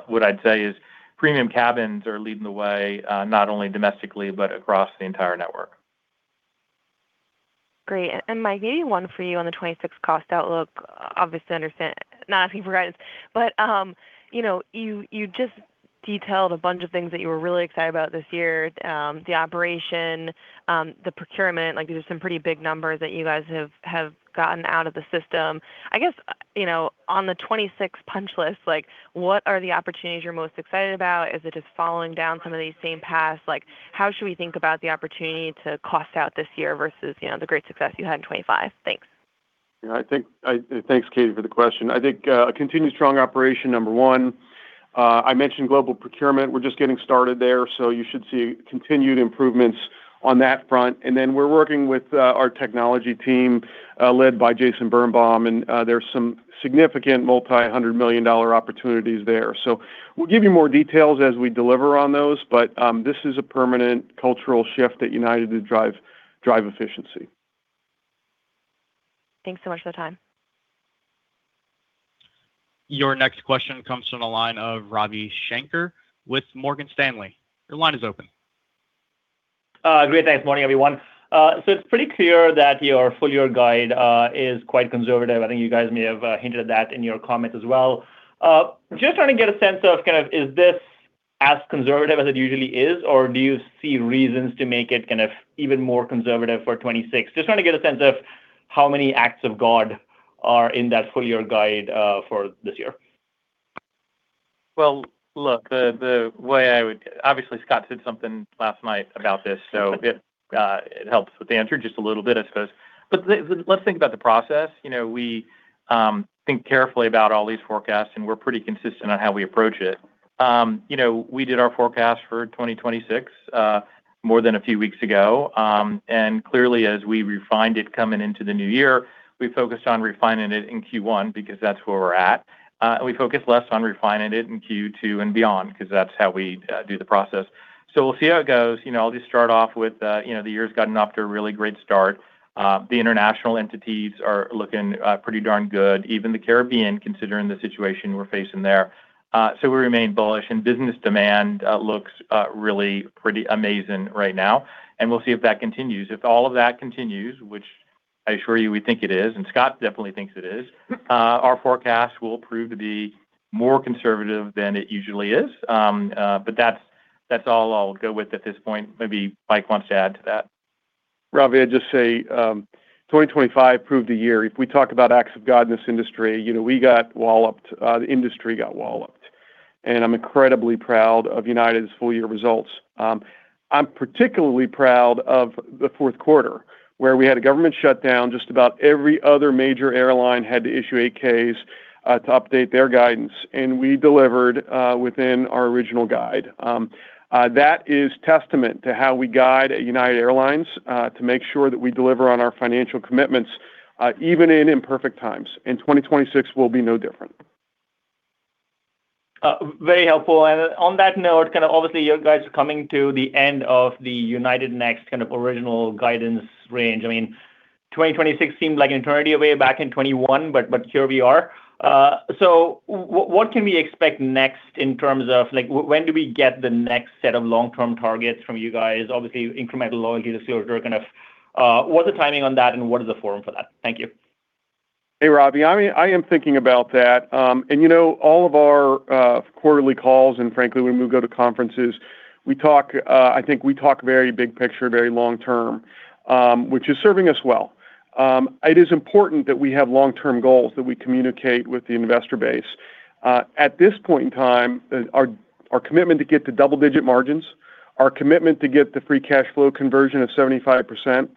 What I'd say is premium cabins are leading the way, not only domestically, but across the entire network. Great, and Mike, maybe one for you on the 2026 cost outlook. Obviously, I understand not asking for guidance, but you just detailed a bunch of things that you were really excited about this year: the operation, the procurement. These are some pretty big numbers that you guys have gotten out of the system. I guess on the 2026 punch list, what are the opportunities you're most excited about? Is it just falling down some of the same paths? How should we think about the opportunity to cost out this year versus the great success you had in 2025? Thanks. Yeah. Thanks, Katie, for the question. I think a continued strong operation, number one. I mentioned global procurement. We're just getting started there, so you should see continued improvements on that front. And then we're working with our technology team led by Jason Birnbaum, and there's some significant multi-hundred million dollar opportunities there. So we'll give you more details as we deliver on those, but this is a permanent cultural shift at United to drive efficiency. Thanks so much for the time. Your next question comes from the line of Ravi Shankar with Morgan Stanley. Your line is open. Great. Thanks. Morning, everyone. So it's pretty clear that your full-year guide is quite conservative. I think you guys may have hinted at that in your comments as well. Just trying to get a sense of kind of is this as conservative as it usually is, or do you see reasons to make it kind of even more conservative for 2026? Just trying to get a sense of how many acts of God are in that full-year guide for this year. Look, the way I would obviously, Scott said something last night about this, so it helps with the answer just a little bit, I suppose. Let's think about the process. We think carefully about all these forecasts, and we're pretty consistent on how we approach it. We did our forecast for 2026 more than a few weeks ago. Clearly, as we refined it coming into the new year, we focused on refining it in Q1 because that's where we're at. We focused less on refining it in Q2 and beyond because that's how we do the process. We'll see how it goes. I'll just start off with the year's gotten off to a really great start. The international entities are looking pretty darn good, even the Caribbean, considering the situation we're facing there. So we remain bullish, and business demand looks really pretty amazing right now. And we'll see if that continues. If all of that continues, which I assure you we think it is, and Scott definitely thinks it is, our forecast will prove to be more conservative than it usually is. But that's all I'll go with at this point. Maybe Mike wants to add to that. Ravi, I'd just say 2025 proved a year. If we talk about acts of God in this industry, we got walloped. The industry got walloped. I'm incredibly proud of United's full-year results. I'm particularly proud of the fourth quarter, where we had a government shutdown. Just about every other major airline had to issue 8-Ks to update their guidance, and we delivered within our original guide. That is testament to how we guide at United Airlines to make sure that we deliver on our financial commitments, even in imperfect times. 2026 will be no different. Very helpful. And on that note, kind of obviously, you guys are coming to the end of the United Next kind of original guidance range. I mean, 2026 seemed like an eternity away back in 2021, but here we are. So what can we expect next in terms of when do we get the next set of long-term targets from you guys? Obviously, incremental loyalty disclosure kind of what's the timing on that, and what is the forum for that? Thank you. Hey, Ravi. I am thinking about that and all of our quarterly calls, and frankly, when we go to conferences, I think we talk very big picture, very long-term, which is serving us well. It is important that we have long-term goals that we communicate with the investor base. At this point in time, our commitment to get to double-digit margins, our commitment to get the free cash flow conversion of 75%,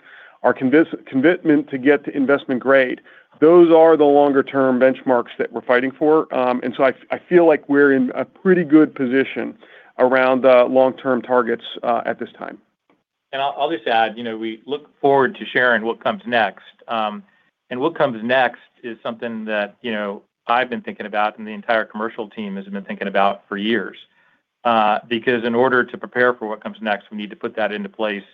our commitment to get to investment grade, those are the longer-term benchmarks that we're fighting for, and so I feel like we're in a pretty good position around the long-term targets at this time. I'll just add, we look forward to sharing what comes next. What comes next is something that I've been thinking about, and the entire commercial team has been thinking about for years. Because in order to prepare for what comes next, we need to put that into place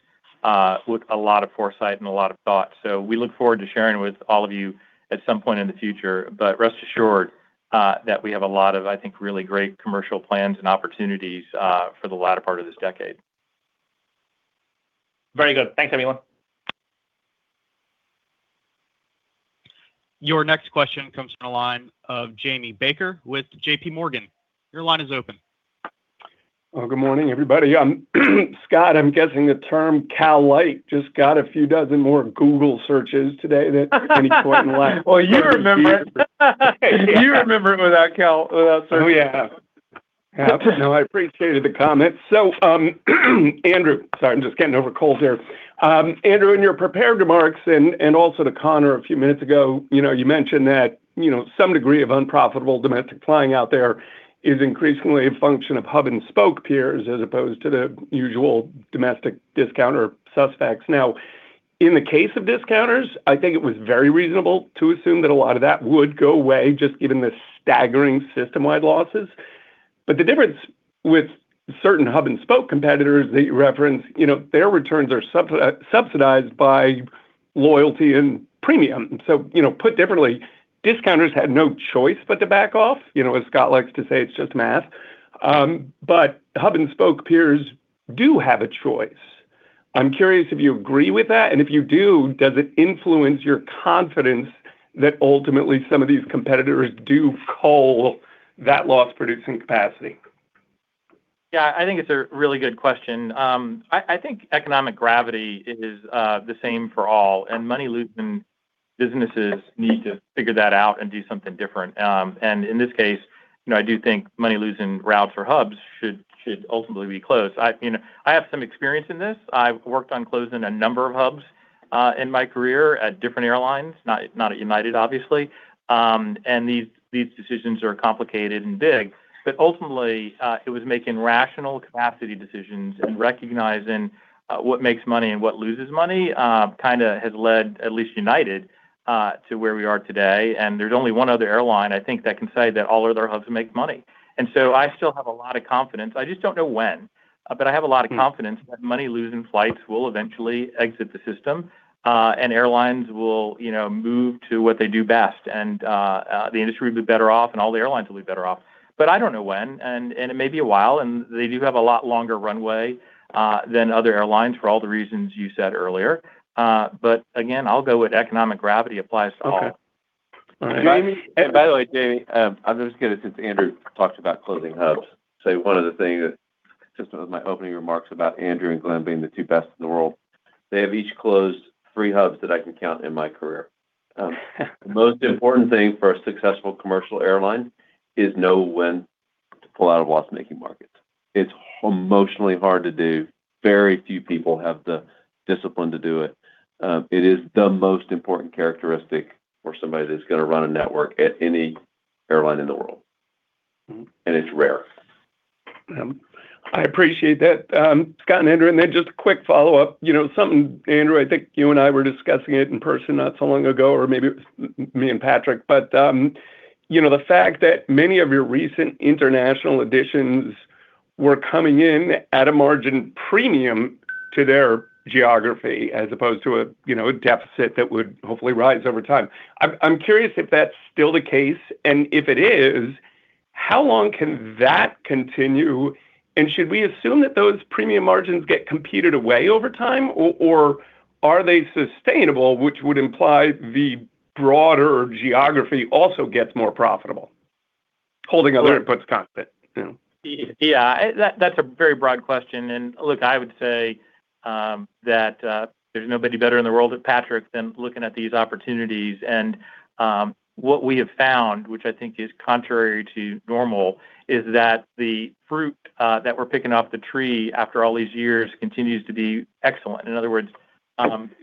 with a lot of foresight and a lot of thought. We look forward to sharing with all of you at some point in the future. Rest assured that we have a lot of, I think, really great commercial plans and opportunities for the latter part of this decade. Very good. Thanks, everyone. Your next question comes from the line of Jamie Baker with JPMorgan. Your line is open. Good morning, everybody. Scott, I'm guessing the term CALite just got a few dozen more Google searches today than at any point in life. You remember it without CALite. Oh, yeah. No, I appreciated the comment, so Andrew, sorry, I'm just getting over a cold here. Andrew, in your prepared remarks and also to Conor a few minutes ago, you mentioned that some degree of unprofitable domestic flying out there is increasingly a function of hub and spoke peers as opposed to the usual domestic discounter suspects. Now, in the case of discounters, I think it was very reasonable to assume that a lot of that would go away just given the staggering system-wide losses, but the difference with certain hub and spoke competitors that you reference, their returns are subsidized by loyalty and premium, so put differently, discounters had no choice but to back off. As Scott likes to say, it's just math, but hub and spoke peers do have a choice. I'm curious if you agree with that. And if you do, does it influence your confidence that ultimately some of these competitors do call that loss-producing capacity? Yeah, I think it's a really good question. I think economic gravity is the same for all. And money-losing businesses need to figure that out and do something different. And in this case, I do think money-losing routes or hubs should ultimately be closed. I have some experience in this. I've worked on closing a number of hubs in my career at different airlines, not at United, obviously. And these decisions are complicated and big. But ultimately, it was making rational capacity decisions and recognizing what makes money and what loses money kind of has led, at least United, to where we are today. And there's only one other airline, I think, that can say that all of their hubs make money. And so I still have a lot of confidence. I just don't know when, but I have a lot of confidence that money-losing flights will eventually exit the system, and airlines will move to what they do best. And the industry will be better off, and all the airlines will be better off. But I don't know when, and it may be a while. And they do have a lot longer runway than other airlines for all the reasons you said earlier. But again, I'll go with economic gravity applies to all. Okay. And by the way, Jamie, I'm just going to, since Andrew talked about closing hubs, say one of the things that's my opening remarks about Andrew and Glen being the two best in the world. They have each closed three hubs that I can count in my career. The most important thing for a successful commercial airline is knowing when to pull out of loss-making markets. It's emotionally hard to do. Very few people have the discipline to do it. It is the most important characteristic for somebody that's going to run a network at any airline in the world, and it's rare. I appreciate that. Scott and Andrew, and then just a quick follow-up. Something, Andrew, I think you and I were discussing it in person not so long ago, or maybe it was me and Patrick. But the fact that many of your recent international additions were coming in at a margin premium to their geography as opposed to a deficit that would hopefully rise over time. I'm curious if that's still the case. And if it is, how long can that continue? And should we assume that those premium margins get competed away over time, or are they sustainable, which would imply the broader geography also gets more profitable? Holding other inputs constant. Yeah. That's a very broad question, and look, I would say that there's nobody better in the world than Patrick at looking at these opportunities. And what we have found, which I think is contrary to normal, is that the fruit that we're picking off the tree after all these years continues to be excellent. In other words,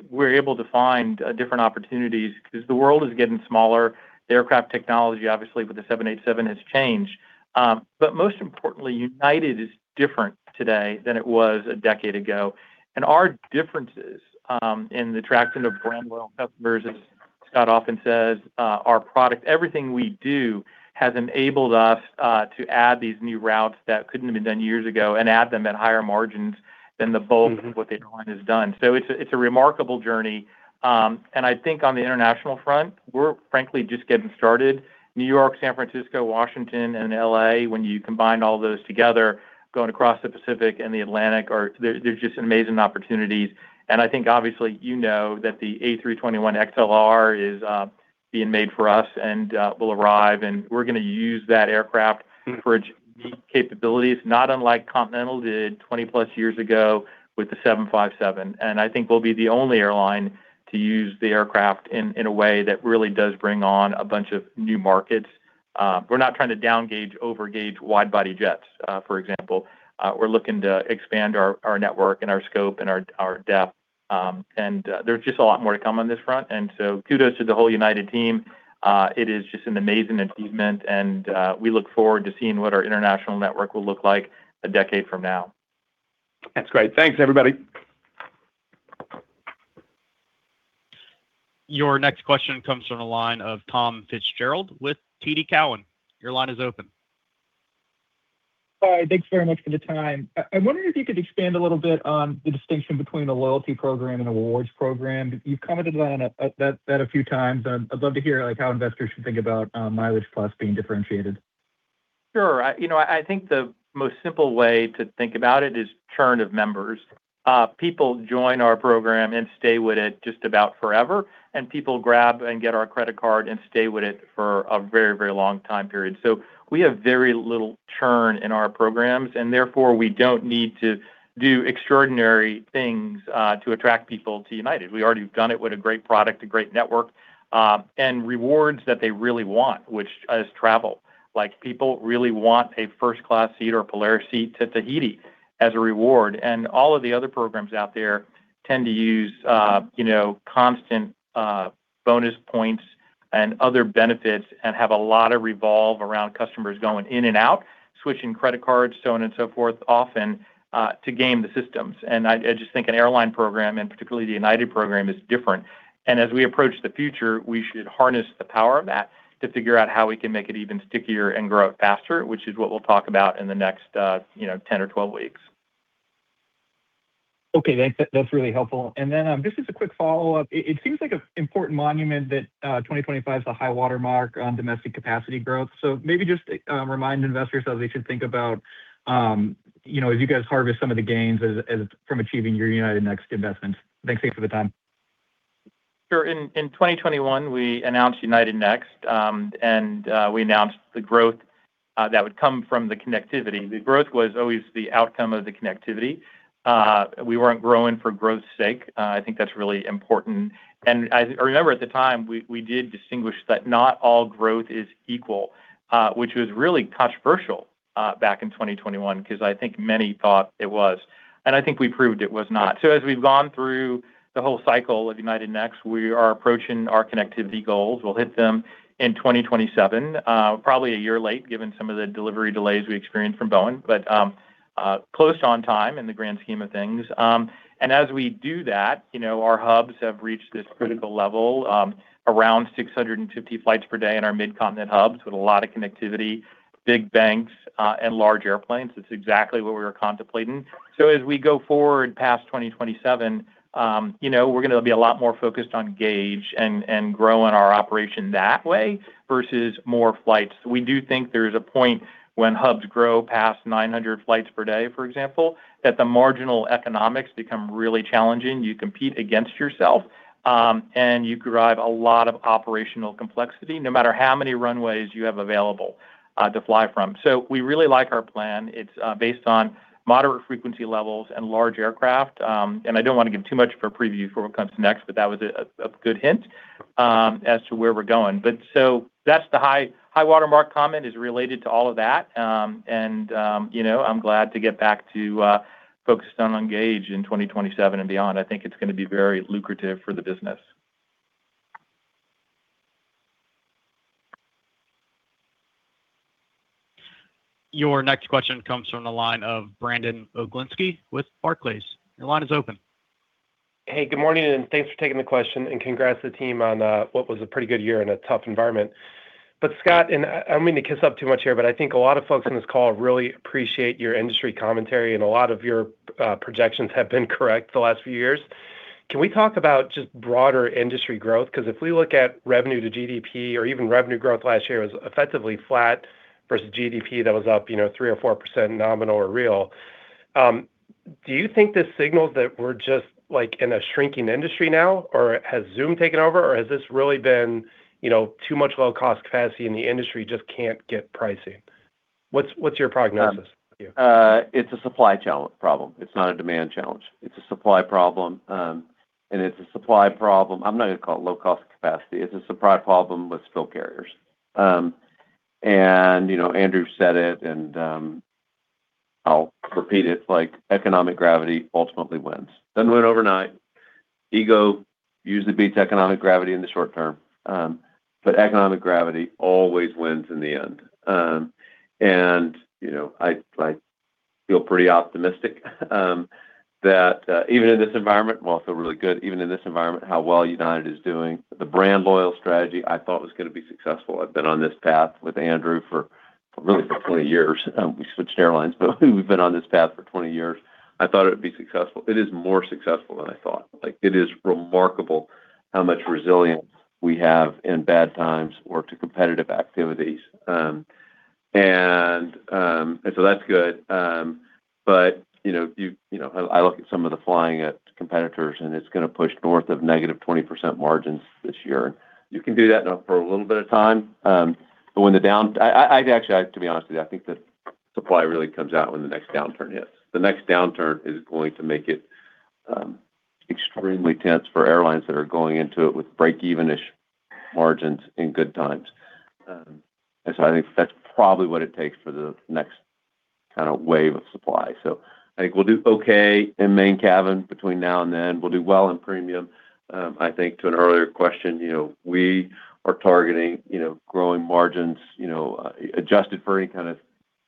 we're able to find different opportunities because the world is getting smaller. The aircraft technology, obviously, with the 787 has changed, but most importantly, United is different today than it was a decade ago, and our differences in the attraction of brand loyal customers, as Scott often says, our product, everything we do has enabled us to add these new routes that couldn't have been done years ago and add them at higher margins than the bulk of what the airline has done, so it's a remarkable journey. And I think on the international front, we're frankly just getting started. New York, San Francisco, Washington, and LA, when you combine all those together, going across the Pacific and the Atlantic, they're just amazing opportunities. And I think, obviously, you know that the A321XLR is being made for us and will arrive. And we're going to use that aircraft for its unique capabilities, not unlike Continental did 20-plus years ago with the 757. And I think we'll be the only airline to use the aircraft in a way that really does bring on a bunch of new markets. We're not trying to downgauge, overgauge wide-body jets, for example. We're looking to expand our network and our scope and our depth. And there's just a lot more to come on this front. And so kudos to the whole United team. It is just an amazing achievement. We look forward to seeing what our international network will look like a decade from now. That's great. Thanks, everybody. Your next question comes from the line of Tom Fitzgerald with TD Cowen. Your line is open. Hi. Thanks very much for the time. I wondered if you could expand a little bit on the distinction between a loyalty program and an awards program. You've commented on that a few times. I'd love to hear how investors should think about MileagePlus being differentiated. Sure. I think the most simple way to think about it is churn of members. People join our program and stay with it just about forever. And people grab and get our credit card and stay with it for a very, very long time period. So we have very little churn in our programs. And therefore, we don't need to do extraordinary things to attract people to United. We've already done it with a great product, a great network, and rewards that they really want, which is travel. People really want a first-class seat or a Polaris seat to Tahiti as a reward. And all of the other programs out there tend to use constant bonus points and other benefits and all revolve around customers going in and out, switching credit cards, so on and so forth, often to game the systems. I just think an airline program, and particularly the United program, is different. As we approach the future, we should harness the power of that to figure out how we can make it even stickier and grow it faster, which is what we'll talk about in the next 10 or 12 weeks. Okay. That's really helpful. And then just as a quick follow-up, it seems like an important milestone that 2025 is a high watermark on domestic capacity growth. So maybe just remind investors how they should think about as you guys harvest some of the gains from achieving your United Next investments. Thanks again for the time. Sure. In 2021, we announced United Next, and we announced the growth that would come from the connectivity. The growth was always the outcome of the connectivity. We weren't growing for growth's sake. I think that's really important, and I remember at the time, we did distinguish that not all growth is equal, which was really controversial back in 2021 because I think many thought it was, and I think we proved it was not, so as we've gone through the whole cycle of United Next, we are approaching our connectivity goals. We'll hit them in 2027, probably a year late given some of the delivery delays we experienced from Boeing, but close on time in the grand scheme of things. As we do that, our hubs have reached this critical level, around 650 flights per day in our mid-continent hubs with a lot of connectivity, big banks, and large airplanes. It's exactly what we were contemplating. As we go forward past 2027, we're going to be a lot more focused on gauge and growing our operation that way versus more flights. We do think there's a point when hubs grow past 900 flights per day, for example, that the marginal economics become really challenging. You compete against yourself, and you drive a lot of operational complexity, no matter how many runways you have available to fly from. We really like our plan. It's based on moderate frequency levels and large aircraft. I don't want to give too much of a preview for what comes next, but that was a good hint as to where we're going. But so that's the high watermark comment is related to all of that. And I'm glad to get back to focusing on gauge in 2027 and beyond. I think it's going to be very lucrative for the business. Your next question comes from the line of Brandon Oglenski with Barclays. Your line is open. Hey, good morning. And thanks for taking the question. And congrats to the team on what was a pretty good year in a tough environment. But Scott, and I don't mean to kiss up too much here, but I think a lot of folks on this call really appreciate your industry commentary. And a lot of your projections have been correct the last few years. Can we talk about just broader industry growth? Because if we look at revenue to GDP, or even revenue growth last year was effectively flat versus GDP that was up 3% or 4% nominal or real, do you think this signals that we're just in a shrinking industry now, or has Zoom taken over, or has this really been too much low-cost capacity and the industry just can't get pricing? What's your prognosis? It's a supply challenge problem. It's not a demand challenge. It's a supply problem. And it's a supply problem I'm not going to call it low-cost capacity. It's a supply problem with spill carriers. And Andrew said it, and I'll repeat it. It's like economic gravity ultimately wins. Doesn't win overnight. Ego usually beats economic gravity in the short term. But economic gravity always wins in the end. And I feel pretty optimistic that even in this environment, well, it's really good. Even in this environment, how well United is doing, the brand loyal strategy, I thought was going to be successful. I've been on this path with Andrew for really for 20 years. We switched airlines, but we've been on this path for 20 years. I thought it would be successful. It is more successful than I thought. It is remarkable how much resilience we have in bad times or to competitive activities, and so that's good, but I look at some of the flying at competitors, and it's going to push north of negative 20% margins this year. You can do that for a little bit of time. I actually, to be honest with you, I think the supply really comes out when the next downturn hits. The next downturn is going to make it extremely tense for airlines that are going into it with break-even-ish margins in good times, and so I think that's probably what it takes for the next kind of wave of supply, so I think we'll do okay in main cabin between now and then. We'll do well in premium. I think, to an earlier question, we are targeting growing margins adjusted for any kind of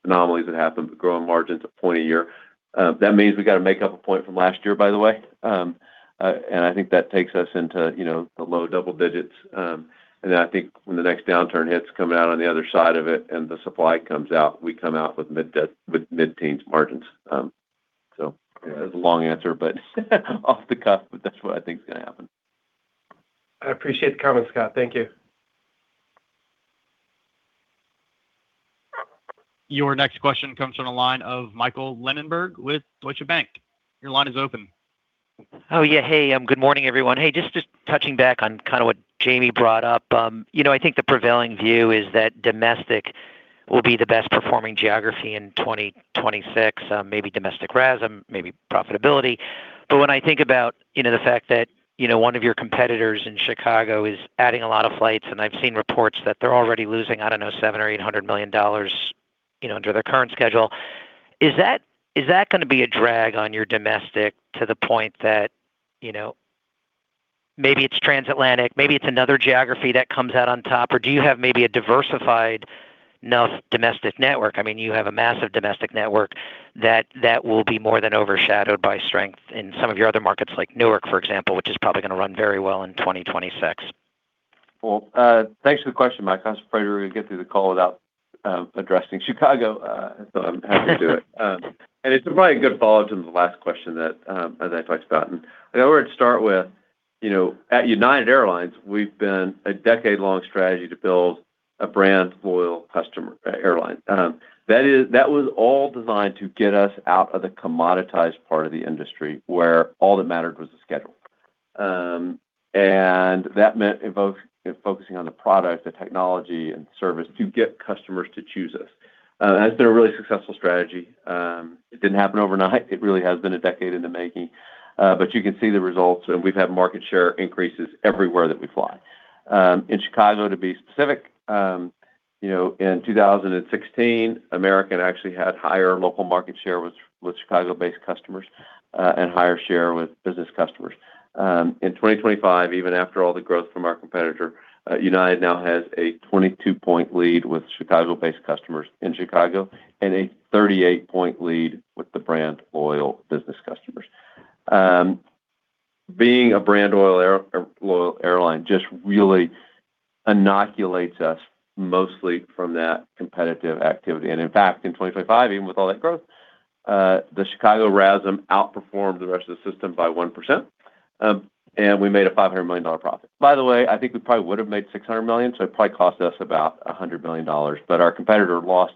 anomalies that happen, but growing margins at one point a year. That means we got to make up one point from last year, by the way. I think that takes us into the low double digits. Then I think when the next downturn hits coming out on the other side of it and the supply comes out, we come out with mid-teens margins. That's a long answer, but off the cuff, but that's what I think is going to happen. I appreciate the comment, Scott. Thank you. Your next question comes from the line of Michael Linenberg with Deutsche Bank. Your line is open. Oh, yeah. Hey, good morning, everyone. Hey, just touching back on kind of what Jamie brought up. I think the prevailing view is that domestic will be the best-performing geography in 2026, maybe domestic RASM, maybe profitability. But when I think about the fact that one of your competitors in Chicago is adding a lot of flights, and I've seen reports that they're already losing, I don't know, $700 million-$800 million under their current schedule, is that going to be a drag on your domestic to the point that maybe it's transatlantic, maybe it's another geography that comes out on top, or do you have maybe a diversified enough domestic network? I mean, you have a massive domestic network that will be more than overshadowed by strength in some of your other markets like Newark, for example, which is probably going to run very well in 2026. Thanks for the question, Mike. I was afraid we were going to get through the call without addressing Chicago, so I'm happy to do it. It's probably a good follow-up to the last question that I talked about. I already start with, at United Airlines, we've been a decade-long strategy to build a brand loyal customer airline. That was all designed to get us out of the commoditized part of the industry where all that mattered was the schedule. That meant focusing on the product, the technology, and service to get customers to choose us. That's been a really successful strategy. It didn't happen overnight. It really has been a decade in the making. You can see the results. We've had market share increases everywhere that we fly. In Chicago, to be specific, in 2016, American actually had higher local market share with Chicago-based customers and higher share with business customers. In 2025, even after all the growth from our competitor, United now has a 22-point lead with Chicago-based customers in Chicago and a 38-point lead with the brand loyal business customers. Being a brand loyal airline just really inoculates us mostly from that competitive activity. And in fact, in 2025, even with all that growth, the Chicago RASM outperformed the rest of the system by 1%. And we made a $500 million profit. By the way, I think we probably would have made $600 million. So it probably cost us about $100 million. But our competitor lost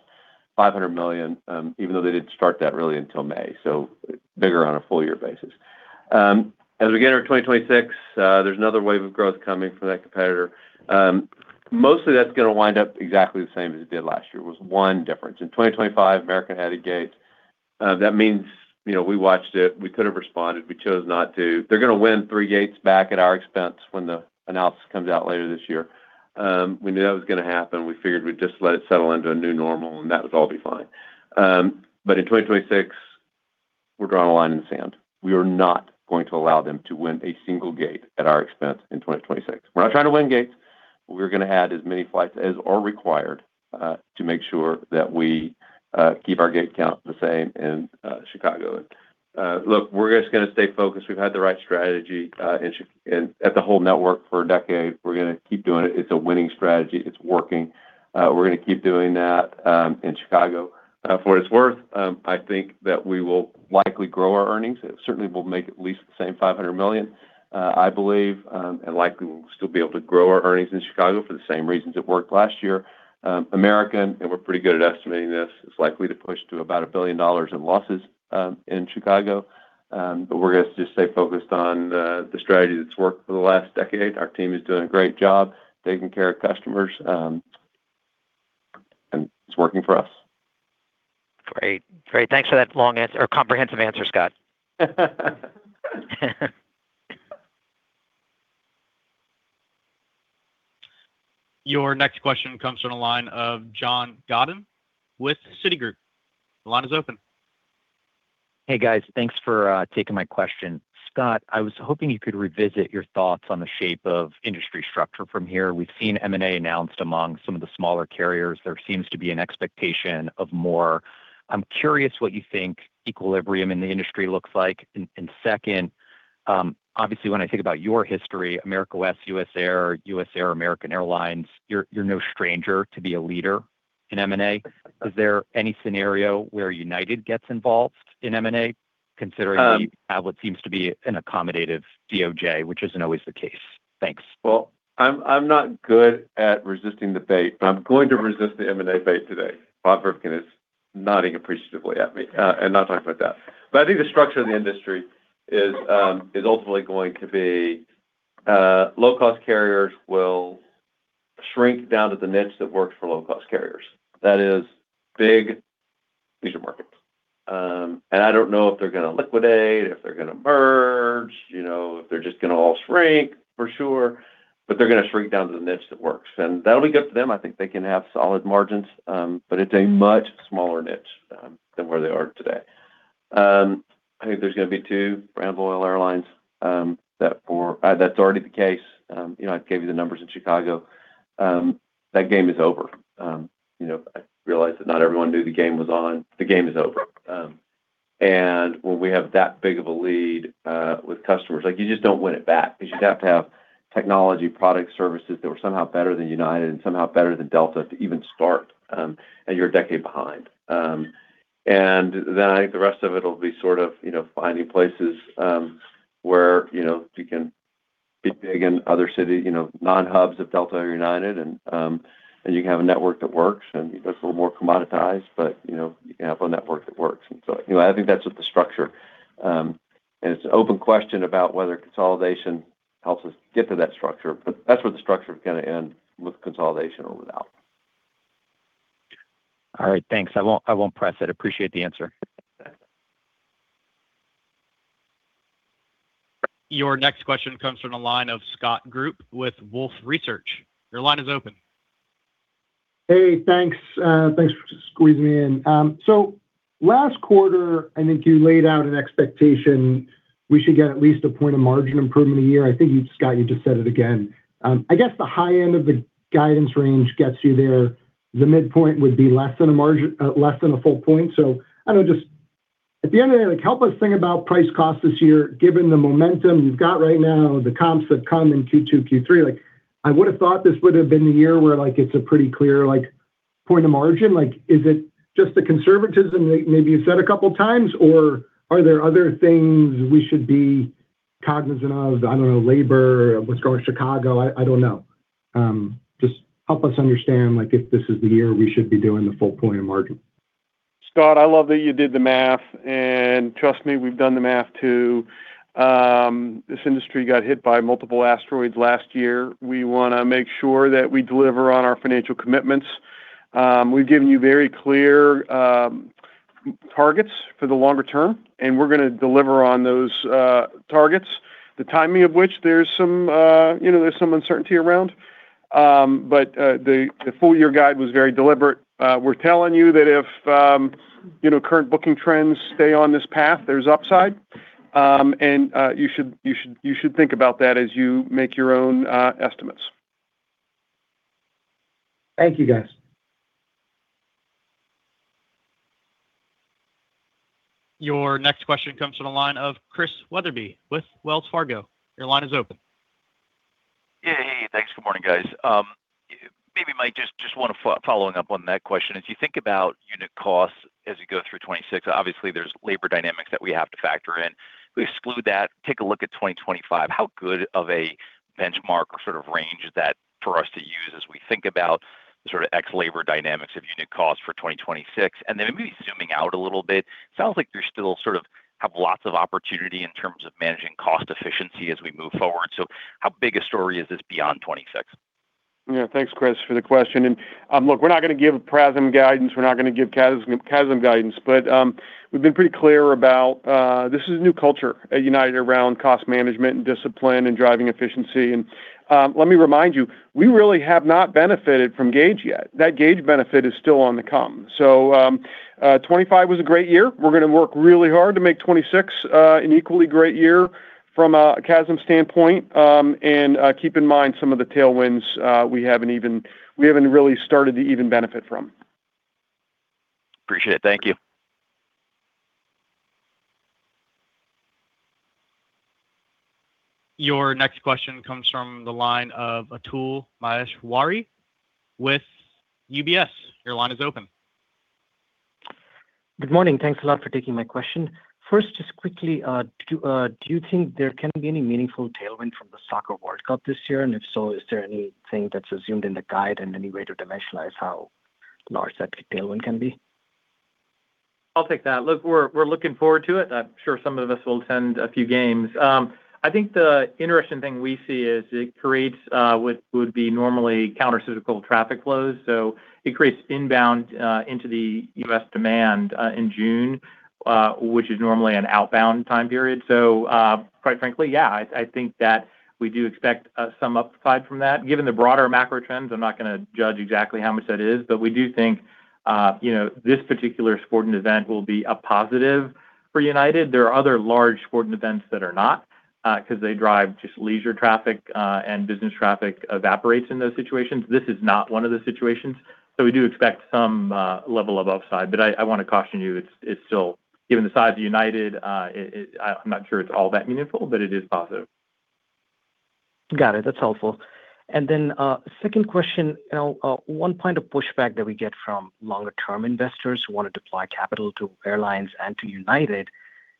$500 million, even though they didn't start that really until May. So bigger on a full-year basis. As we get into 2026, there's another wave of growth coming from that competitor. Mostly, that's going to wind up exactly the same as it did last year, with one difference. In 2025, American had a gate. That means we watched it. We could have responded. We chose not to. They're going to win three gates back at our expense when the analysis comes out later this year. We knew that was going to happen. We figured we'd just let it settle into a new normal, and that would all be fine, but in 2026, we're drawing a line in the sand. We are not going to allow them to win a single gate at our expense in 2026. We're not trying to win gates. We're going to add as many flights as are required to make sure that we keep our gate count the same in Chicago. Look, we're just going to stay focused. We've had the right strategy at the whole network for a decade. We're going to keep doing it. It's a winning strategy. It's working. We're going to keep doing that in Chicago. For what it's worth, I think that we will likely grow our earnings. It certainly will make at least the same $500 million, I believe, and likely will still be able to grow our earnings in Chicago for the same reasons it worked last year. American, and we're pretty good at estimating this, is likely to push to about $1 billion in losses in Chicago. But we're going to just stay focused on the strategy that's worked for the last decade. Our team is doing a great job taking care of customers. And it's working for us. Great. Great. Thanks for that long answer or comprehensive answer, Scott. Your next question comes from the line of John Godin with Citigroup. The line is open. Hey, guys. Thanks for taking my question. Scott, I was hoping you could revisit your thoughts on the shape of industry structure from here. We've seen M&A announced among some of the smaller carriers. There seems to be an expectation of more. I'm curious what you think equilibrium in the industry looks like. And second, obviously, when I think about your history, America West, US Air, US Air, American Airlines, you're no stranger to be a leader in M&A. Is there any scenario where United gets involved in M&A, considering what seems to be an accommodative DOJ, which isn't always the case? Thanks. I'm not good at resisting the bait, but I'm going to resist the M&A bait today. Bob Rivkin is nodding appreciatively at me. I'll talk about that. I think the structure of the industry is ultimately going to be low-cost carriers will shrink down to the niche that works for low-cost carriers. That is big leisure markets. I don't know if they're going to liquidate, if they're going to merge, if they're just going to all shrink for sure, but they're going to shrink down to the niche that works. That'll be good for them. I think they can have solid margins, but it's a much smaller niche than where they are today. I think there's going to be two brand loyal airlines. That's already the case. I gave you the numbers in Chicago. That game is over. I realize that not everyone knew the game was on. The game is over, and when we have that big of a lead with customers, you just don't win it back because you'd have to have technology, products, services that were somehow better than United and somehow better than Delta to even start. You're a decade behind, and then I think the rest of it will be sort of finding places where you can be big in other non-hubs of Delta or United, and you can have a network that works and looks a little more commoditized, but you can have a network that works, and so I think that's what the structure is, and it's an open question about whether consolidation helps us get to that structure, but that's where the structure is going to end with consolidation or without. All right. Thanks. I won't press it. Appreciate the answer. Your next question comes from the line of Scott Group with Wolfe Research. Your line is open. Hey, thanks. Thanks for squeezing me in. So last quarter, I think you laid out an expectation we should get at least a point of margin improvement a year. I think you, Scott, you just said it again. I guess the high end of the guidance range gets you there. The midpoint would be less than a full point. So I don't know, just at the end of the day, help us think about price costs this year, given the momentum you've got right now, the comps that come in Q2, Q3. I would have thought this would have been the year where it's a pretty clear point of margin. Is it just the conservatism that maybe you've said a couple of times, or are there other things we should be cognizant of? I don't know, labor with Chicago? I don't know. Just help us understand if this is the year we should be doing the full point of margin? Scott, I love that you did the math. And trust me, we've done the math too. This industry got hit by multiple asteroids last year. We want to make sure that we deliver on our financial commitments. We've given you very clear targets for the longer term, and we're going to deliver on those targets, the timing of which there's some uncertainty around. But the full-year guide was very deliberate. We're telling you that if current booking trends stay on this path, there's upside. And you should think about that as you make your own estimates. Thank you, guys. Your next question comes from the line of Chris Wetherbee with Wells Fargo. Your line is open. Yeah. Hey, thanks. Good morning, guys. Maybe Mike, just want to follow up on that question. As you think about unit costs as you go through 2026, obviously, there's labor dynamics that we have to factor in. We exclude that. Take a look at 2025. How good of a benchmark or sort of range is that for us to use as we think about the sort of ex-labor dynamics of unit costs for 2026? And then maybe zooming out a little bit, it sounds like you still sort of have lots of opportunity in terms of managing cost efficiency as we move forward. So how big a story is this beyond 2026? Yeah. Thanks, Chris, for the question. And look, we're not going to give a PRASM guidance. We're not going to give CASM guidance. But we've been pretty clear about this is a new culture at United around cost management and discipline and driving efficiency. And let me remind you, we really have not benefited from gauge yet. That gauge benefit is still on the come, so 2025 was a great year. We're going to work really hard to make 2026 an equally great year from a CASM standpoint and keep in mind some of the tailwinds we haven't even really started to even benefit from. Appreciate it. Thank you. Your next question comes from the line of Atul Maheswari with UBS. Your line is open. Good morning. Thanks a lot for taking my question. First, just quickly, do you think there can be any meaningful tailwind from the soccer World Cup this year? And if so, is there anything that's assumed in the guide in any way to dimensionalize how large that tailwind can be? I'll take that. Look, we're looking forward to it. I'm sure some of us will attend a few games. I think the interesting thing we see is it creates what would be normally counter-cyclical traffic flows. So it creates inbound into the U.S. demand in June, which is normally an outbound time period. So quite frankly, yeah, I think that we do expect some upside from that. Given the broader macro trends, I'm not going to judge exactly how much that is. But we do think this particular sporting event will be a positive for United. There are other large sporting events that are not because they drive just leisure traffic, and business traffic evaporates in those situations. This is not one of the situations. So we do expect some level of upside. But I want to caution you, it's still, given the size of United, I'm not sure it's all that meaningful, but it is positive. Got it. That's helpful. And then second question, one point of pushback that we get from longer-term investors who want to deploy capital to airlines and to United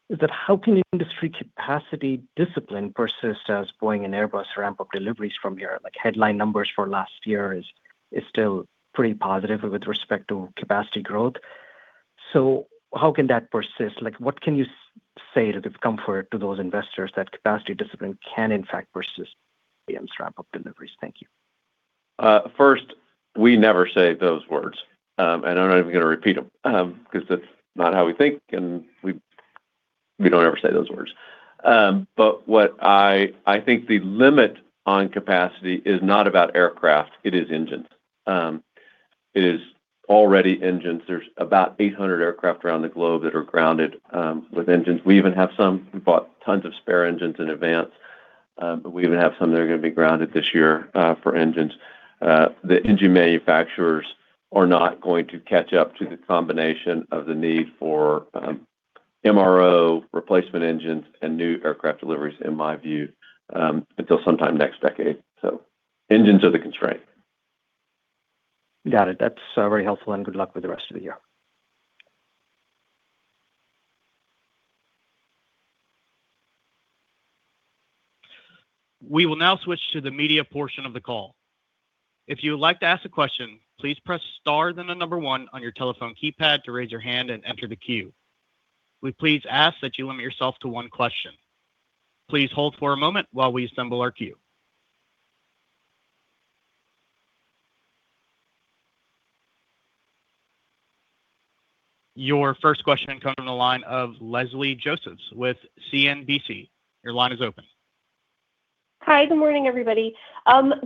is that how can industry capacity discipline persist as Boeing and Airbus ramp up deliveries from here? Headline numbers for last year is still pretty positive with respect to capacity growth. So how can that persist? What can you say to give comfort to those investors that capacity discipline can, in fact, persist? Airbus's ramp up deliveries. Thank you. First, we never say those words. And I'm not even going to repeat them because that's not how we think, and we don't ever say those words. But I think the limit on capacity is not about aircraft. It is engines. It is already engines. There's about 800 aircraft around the globe that are grounded with engines. We even have some. We bought tons of spare engines in advance. We even have some that are going to be grounded this year for engines. The engine manufacturers are not going to catch up to the combination of the need for MRO replacement engines and new aircraft deliveries, in my view, until sometime next decade. So engines are the constraint. Got it. That's very helpful, and good luck with the rest of the year. We will now switch to the media portion of the call. If you would like to ask a question, please press star then the number one on your telephone keypad to raise your hand and enter the queue. We please ask that you limit yourself to one question. Please hold for a moment while we assemble our queue. Your first question comes from the line of Leslie Josephs with CNBC. Your line is open. Hi, good morning, everybody.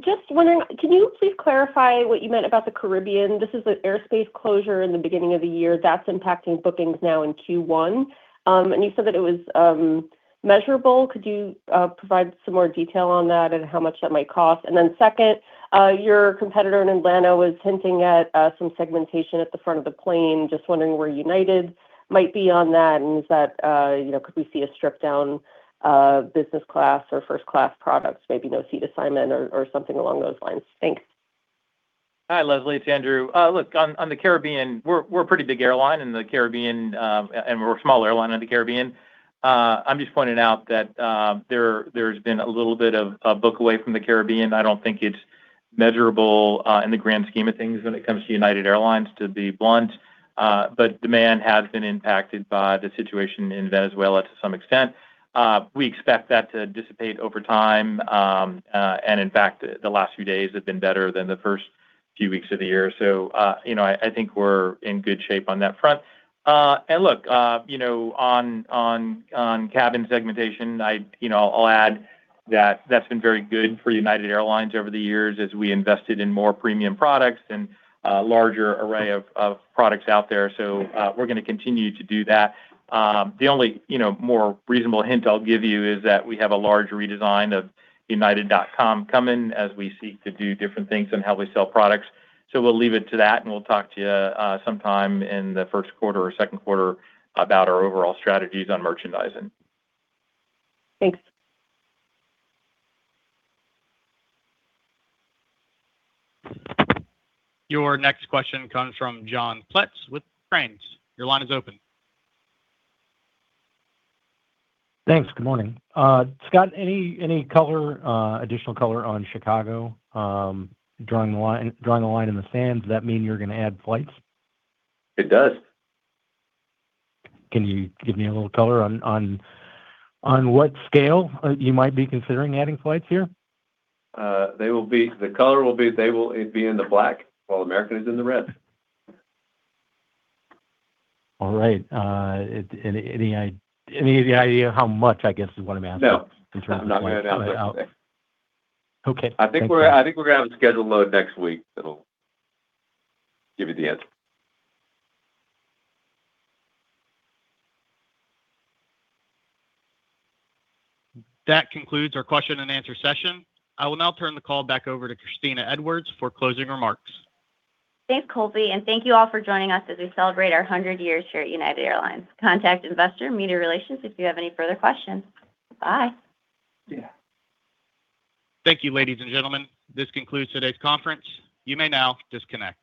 Just wondering, can you please clarify what you meant about the Caribbean? This is an airspace closure in the beginning of the year that's impacting bookings now in Q1. And you said that it was measurable. Could you provide some more detail on that and how much that might cost? And then second, your competitor in Atlanta was hinting at some segmentation at the front of the plane. Just wondering where United might be on that, and is that could we see a strip down business class or first-class products, maybe no seat assignment or something along those lines? Thanks. Hi, Leslie. It's Andrew. Look, on the Caribbean, we're a pretty big airline in the Caribbean, and we're a small airline in the Caribbean. I'm just pointing out that there's been a little bit of a pullback from the Caribbean. I don't think it's measurable in the grand scheme of things when it comes to United Airlines, to be blunt, but demand has been impacted by the situation in Venezuela to some extent. We expect that to dissipate over time, and in fact, the last few days have been better than the first few weeks of the year, so I think we're in good shape on that front, and look, on cabin segmentation, I'll add that that's been very good for United Airlines over the years as we invested in more premium products and a larger array of products out there, so we're going to continue to do that. The only more reasonable hint I'll give you is that we have a large redesign of United.com coming as we seek to do different things in how we sell products. So we'll leave it to that, and we'll talk to you sometime in the first quarter or second quarter about our overall strategies on merchandising. Thanks. Your next question comes from John Pletz with Crain's. Your line is open. Thanks. Good morning. Scott, any additional color on Chicago drawing the line in the sand? Does that mean you're going to add flights? It does. Can you give me a little color on what scale you might be considering adding flights here? The color will be it'd be in the black while American is in the red. All right. Any idea how much, I guess, is what I'm asking in terms of how much? No. I'm not going to announce it. Okay. I think we're going to have a schedule load next week that'll give you the answer. That concludes our question-and-answer session. I will now turn the call back over to Kristina Edwards for closing remarks. Thanks, Colby. And thank you all for joining us as we celebrate our 100 years here at United Airlines. Contact Investor Relations, Media Relations if you have any further questions. Bye. Yeah. Thank you, ladies and gentlemen. This concludes today's conference. You may now disconnect.